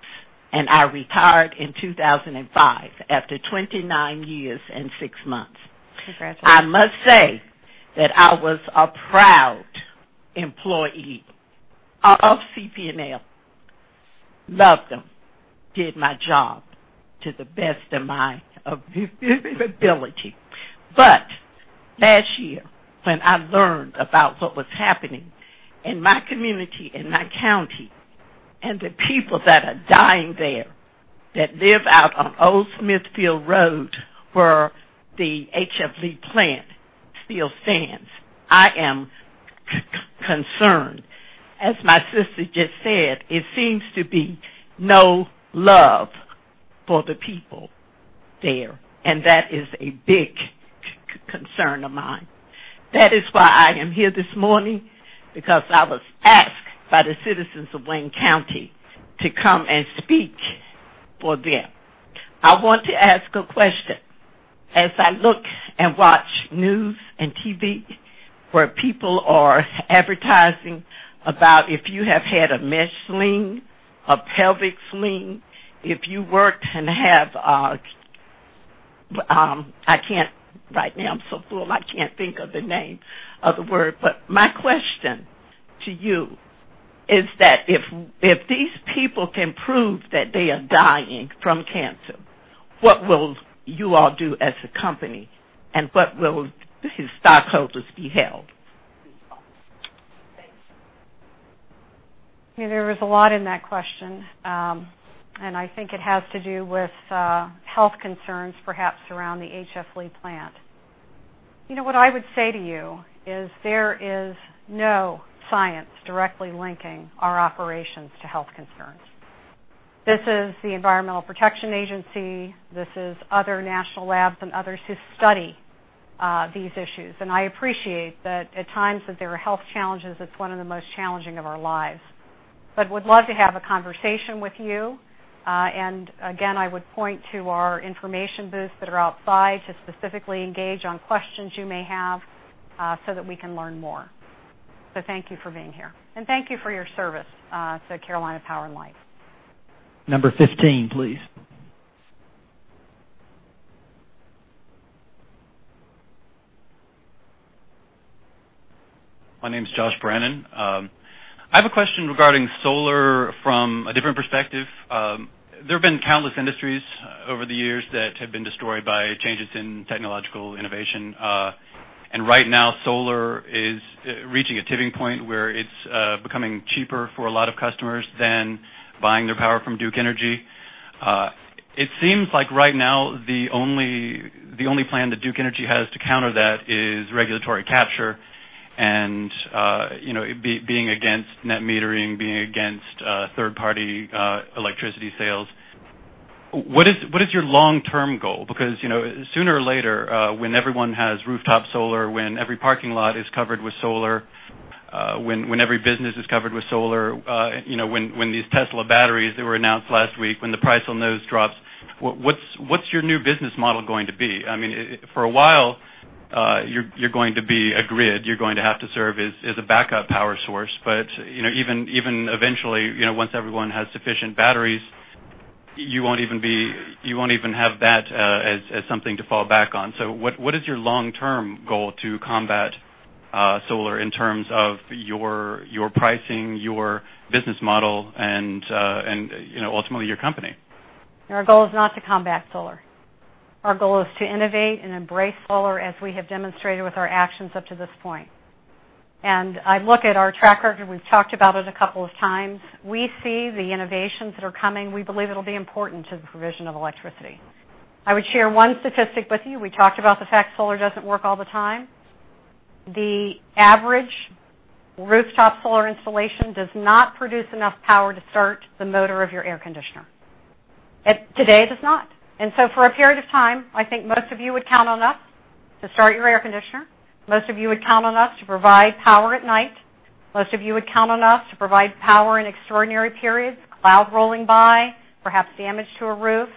and I retired in 2005 after 29 years and six months. Congratulations. I must say that I was a proud employee of CP&L. Loved them. Did my job to the best of my ability. Last year, when I learned about what was happening in my community, in my county, and the people that are dying there that live out on Old Smithfield Road, where the H.F. Lee plant still stands, I am concerned. As my sister just said, it seems to be no love for the people there, and that is a big concern of mine. That is why I am here this morning, because I was asked by the citizens of Wayne County to come and speak for them. I want to ask a question. As I look and watch news and TV where people are advertising about if you have had a mesh sling, a pelvic sling, if you worked and have Right now I'm so floored I can't think of the name of the word. My question to you is that if these people can prove that they are dying from cancer, what will you all do as a company, and what will stockholders be held responsible? There was a lot in that question, and I think it has to do with health concerns, perhaps around the H.F. Lee plant. What I would say to you is there is no science directly linking our operations to health concerns. This is the Environmental Protection Agency. This is other national labs and others who study these issues, and I appreciate that at times that there are health challenges. It's one of the most challenging of our lives, but would love to have a conversation with you. Again, I would point to our information booths that are outside to specifically engage on questions you may have, so that we can learn more. Thank you for being here, and thank you for your service to Carolina Power & Light. Number 15, please. My name's Josh Brannan. I have a question regarding solar from a different perspective. There have been countless industries over the years that have been destroyed by changes in technological innovation. Right now, solar is reaching a tipping point where it's becoming cheaper for a lot of customers than buying their power from Duke Energy. It seems like right now the only plan that Duke Energy has to counter that is regulatory capture and being against net metering, being against third-party electricity sales. What is your long-term goal? Sooner or later, when everyone has rooftop solar, when every parking lot is covered with solar, when every business is covered with solar, when these Tesla batteries that were announced last week, when the price on those drops, what's your new business model going to be? For a while, you're going to be a grid. You're going to have to serve as a backup power source. Even eventually, once everyone has sufficient batteries, you won't even have that as something to fall back on. What is your long-term goal to combat solar in terms of your pricing, your business model, and ultimately your company? Our goal is not to combat solar. Our goal is to innovate and embrace solar as we have demonstrated with our actions up to this point. I look at our track record. We've talked about it a couple of times. We see the innovations that are coming. We believe it'll be important to the provision of electricity. I would share one statistic with you. We talked about the fact solar doesn't work all the time. The average rooftop solar installation does not produce enough power to start the motor of your air conditioner. Today, it does not. For a period of time, I think most of you would count on us to start your air conditioner. Most of you would count on us to provide power at night. Most of you would count on us to provide power in extraordinary periods, clouds rolling by, perhaps damage to a roof.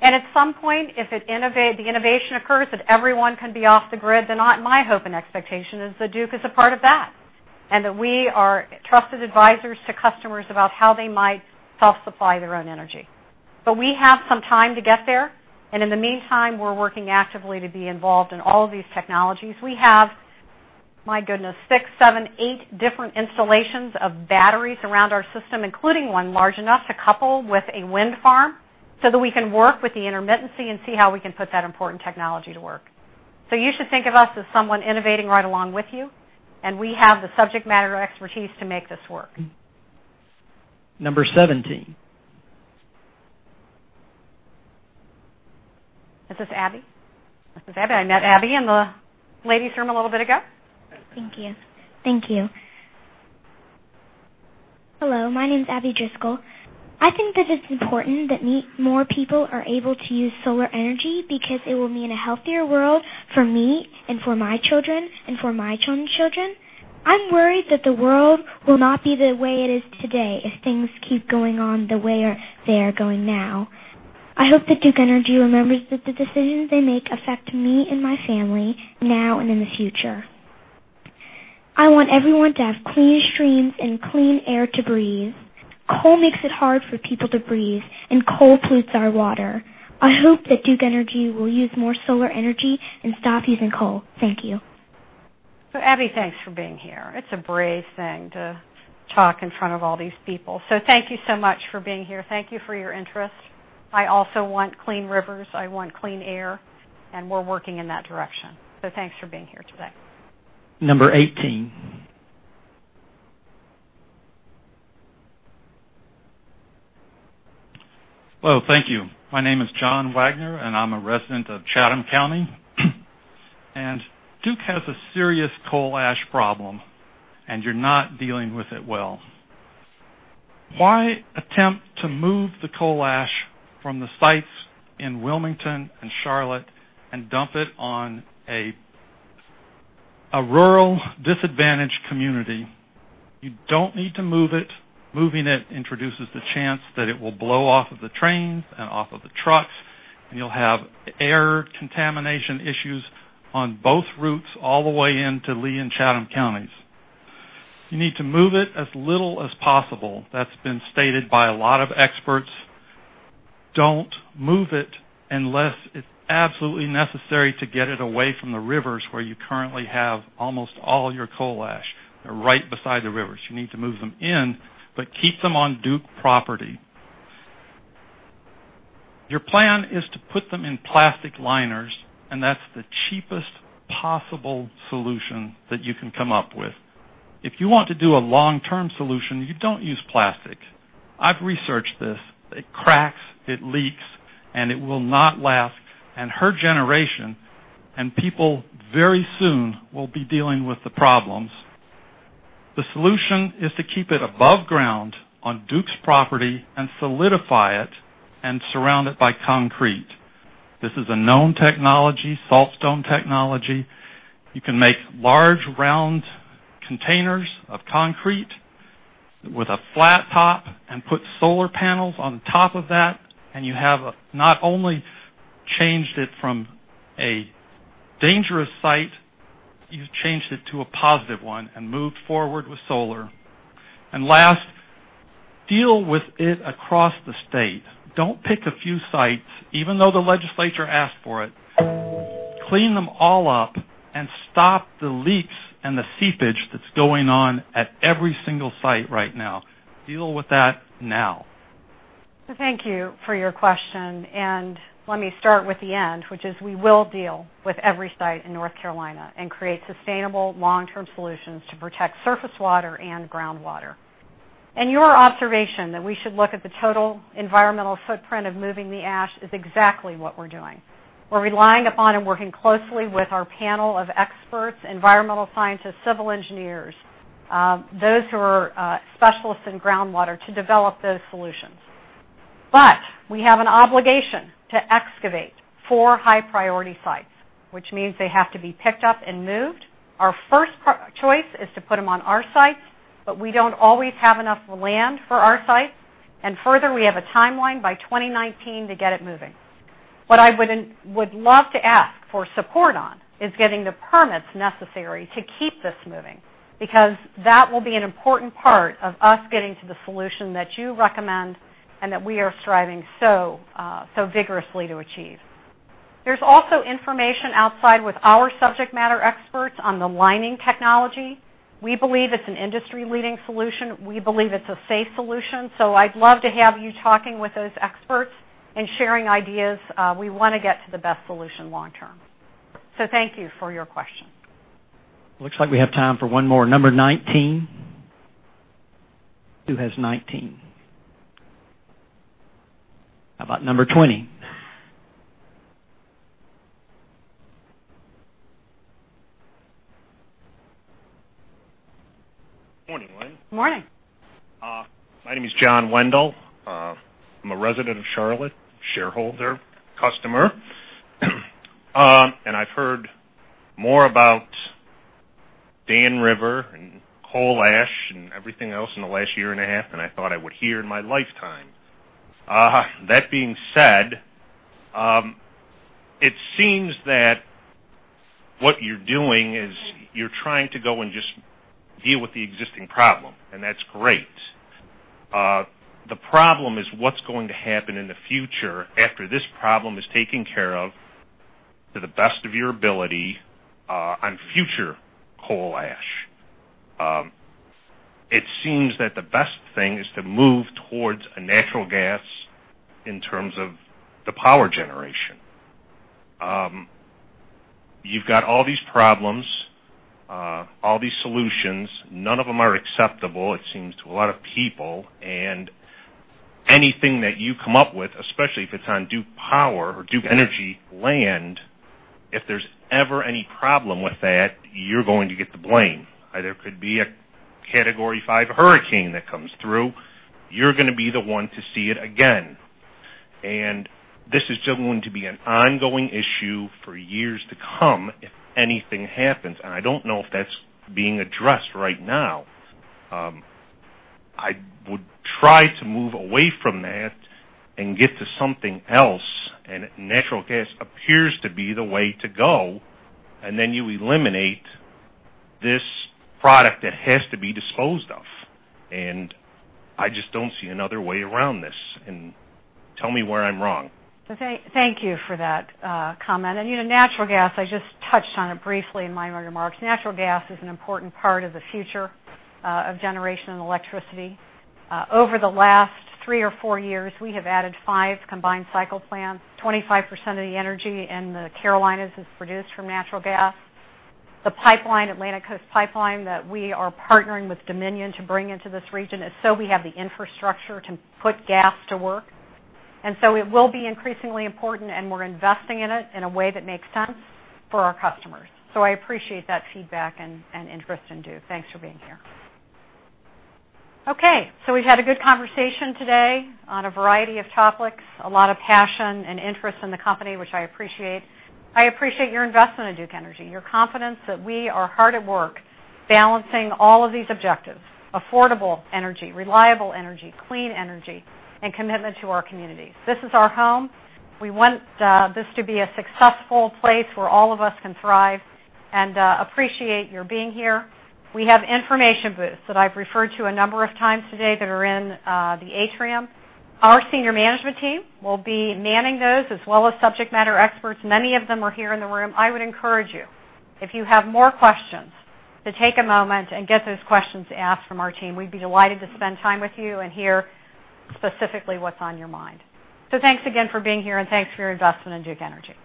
At some point, if the innovation occurs, that everyone can be off the grid, then my hope and expectation is that Duke is a part of that, and that we are trusted advisors to customers about how they might self-supply their own energy. We have some time to get there, and in the meantime, we're working actively to be involved in all of these technologies. We have, my goodness, six, seven, eight different installations of batteries around our system, including one large enough to couple with a wind farm so that we can work with the intermittency and see how we can put that important technology to work. You should think of us as someone innovating right along with you, and we have the subject matter expertise to make this work. Number 17. This is Abby. I met Abby in the ladies room a little bit ago. Thank you. Thank you. Hello, my name's Abby Driscoll. I think that it's important that more people are able to use solar energy because it will mean a healthier world for me and for my children, and for my children's children. I'm worried that the world will not be the way it is today if things keep going on the way they are going now. I hope that Duke Energy remembers that the decisions they make affect me and my family now and in the future. I want everyone to have clean streams and clean air to breathe. Coal makes it hard for people to breathe, and coal pollutes our water. I hope that Duke Energy will use more solar energy and stop using coal. Thank you. Abby, thanks for being here. It's a brave thing to talk in front of all these people, so thank you so much for being here. Thank you for your interest. I also want clean rivers, I want clean air, and we're working in that direction. Thanks for being here today. Number 18. Hello. Thank you. My name is John Wagner, and I'm a resident of Chatham County. Duke has a serious coal ash problem, and you're not dealing with it well. Why attempt to move the coal ash from the sites in Wilmington and Charlotte and dump it on a rural, disadvantaged community? You don't need to move it. Moving it introduces the chance that it will blow off of the trains and off of the trucks, and you'll have air contamination issues on both routes all the way in to Lee and Chatham Counties. You need to move it as little as possible. That's been stated by a lot of experts. Don't move it unless it's absolutely necessary to get it away from the rivers where you currently have almost all your coal ash. They're right beside the rivers. You need to move them in, but keep them on Duke property. Your plan is to put them in plastic liners, and that's the cheapest possible solution that you can come up with. If you want to do a long-term solution, you don't use plastic. I've researched this. It cracks, it leaks, and it will not last, and her generation, and people very soon will be dealing with the problems. The solution is to keep it above ground on Duke's property and solidify it and surround it by concrete. This is a known technology, salt stone technology. You can make large round containers of concrete with a flat top and put solar panels on top of that, and you have not only changed it from a dangerous site, you've changed it to a positive one and moved forward with solar. Last, deal with it across the state. Don't pick a few sites, even though the legislature asked for it. Clean them all up and stop the leaks and the seepage that's going on at every single site right now. Deal with that now. Thank you for your question, and let me start with the end, which is we will deal with every site in North Carolina and create sustainable long-term solutions to protect surface water and groundwater. Your observation that we should look at the total environmental footprint of moving the ash is exactly what we're doing. We're relying upon and working closely with our panel of experts, environmental scientists, civil engineers, those who are specialists in groundwater, to develop those solutions. We have an obligation to excavate four high-priority sites, which means they have to be picked up and moved. Our first choice is to put them on our sites, but we don't always have enough land for our sites, and further, we have a timeline by 2019 to get it moving. What I would love to ask for support on is getting the permits necessary to keep this moving, because that will be an important part of us getting to the solution that you recommend and that we are striving so vigorously to achieve. There's also information outside with our subject matter experts on the lining technology. We believe it's an industry-leading solution. We believe it's a safe solution, so I'd love to have you talking with those experts and sharing ideas. We want to get to the best solution long term. Thank you for your question. Looks like we have time for one more. Number 19. Who has 19? How about number 20? Morning. My name is John Wendell. I'm a resident of Charlotte, shareholder, customer. I've heard more about Dan River and coal ash and everything else in the last year and a half than I thought I would hear in my lifetime. That being said, it seems that what you're doing is you're trying to go and just deal with the existing problem, and that's great. The problem is what's going to happen in the future after this problem is taken care of to the best of your ability on future coal ash. It seems that the best thing is to move towards a natural gas in terms of the power generation. You've got all these problems, all these solutions. None of them are acceptable, it seems, to a lot of people. Anything that you come up with, especially if it's on Duke Power or Duke Energy land, if there's ever any problem with that, you're going to get the blame. There could be a category 5 hurricane that comes through. You're going to be the one to see it again. This is just going to be an ongoing issue for years to come if anything happens. I don't know if that's being addressed right now. I would try to move away from that and get to something else. Natural gas appears to be the way to go, and then you eliminate this product that has to be disposed of, and I just don't see another way around this. Tell me where I'm wrong. Thank you for that comment. Natural gas, I just touched on it briefly in my remarks. Natural gas is an important part of the future of generation and electricity. Over the last three or four years, we have added five combined cycle plants. 25% of the energy in the Carolinas is produced from natural gas. The pipeline, Atlantic Coast Pipeline, that we are partnering with Dominion to bring into this region is so we have the infrastructure to put gas to work. It will be increasingly important, and we're investing in it in a way that makes sense for our customers. I appreciate that feedback and interest in Duke. Thanks for being here. We've had a good conversation today on a variety of topics, a lot of passion and interest in the company, which I appreciate. I appreciate your investment in Duke Energy, your confidence that we are hard at work balancing all of these objectives: affordable energy, reliable energy, clean energy, and commitment to our communities. This is our home. We want this to be a successful place where all of us can thrive and appreciate your being here. We have information booths that I've referred to a number of times today that are in the atrium. Our senior management team will be manning those, as well as subject matter experts. Many of them are here in the room. I would encourage you, if you have more questions, to take a moment and get those questions asked from our team. We'd be delighted to spend time with you and hear specifically what's on your mind. Thanks again for being here, and thanks for your investment in Duke Energy.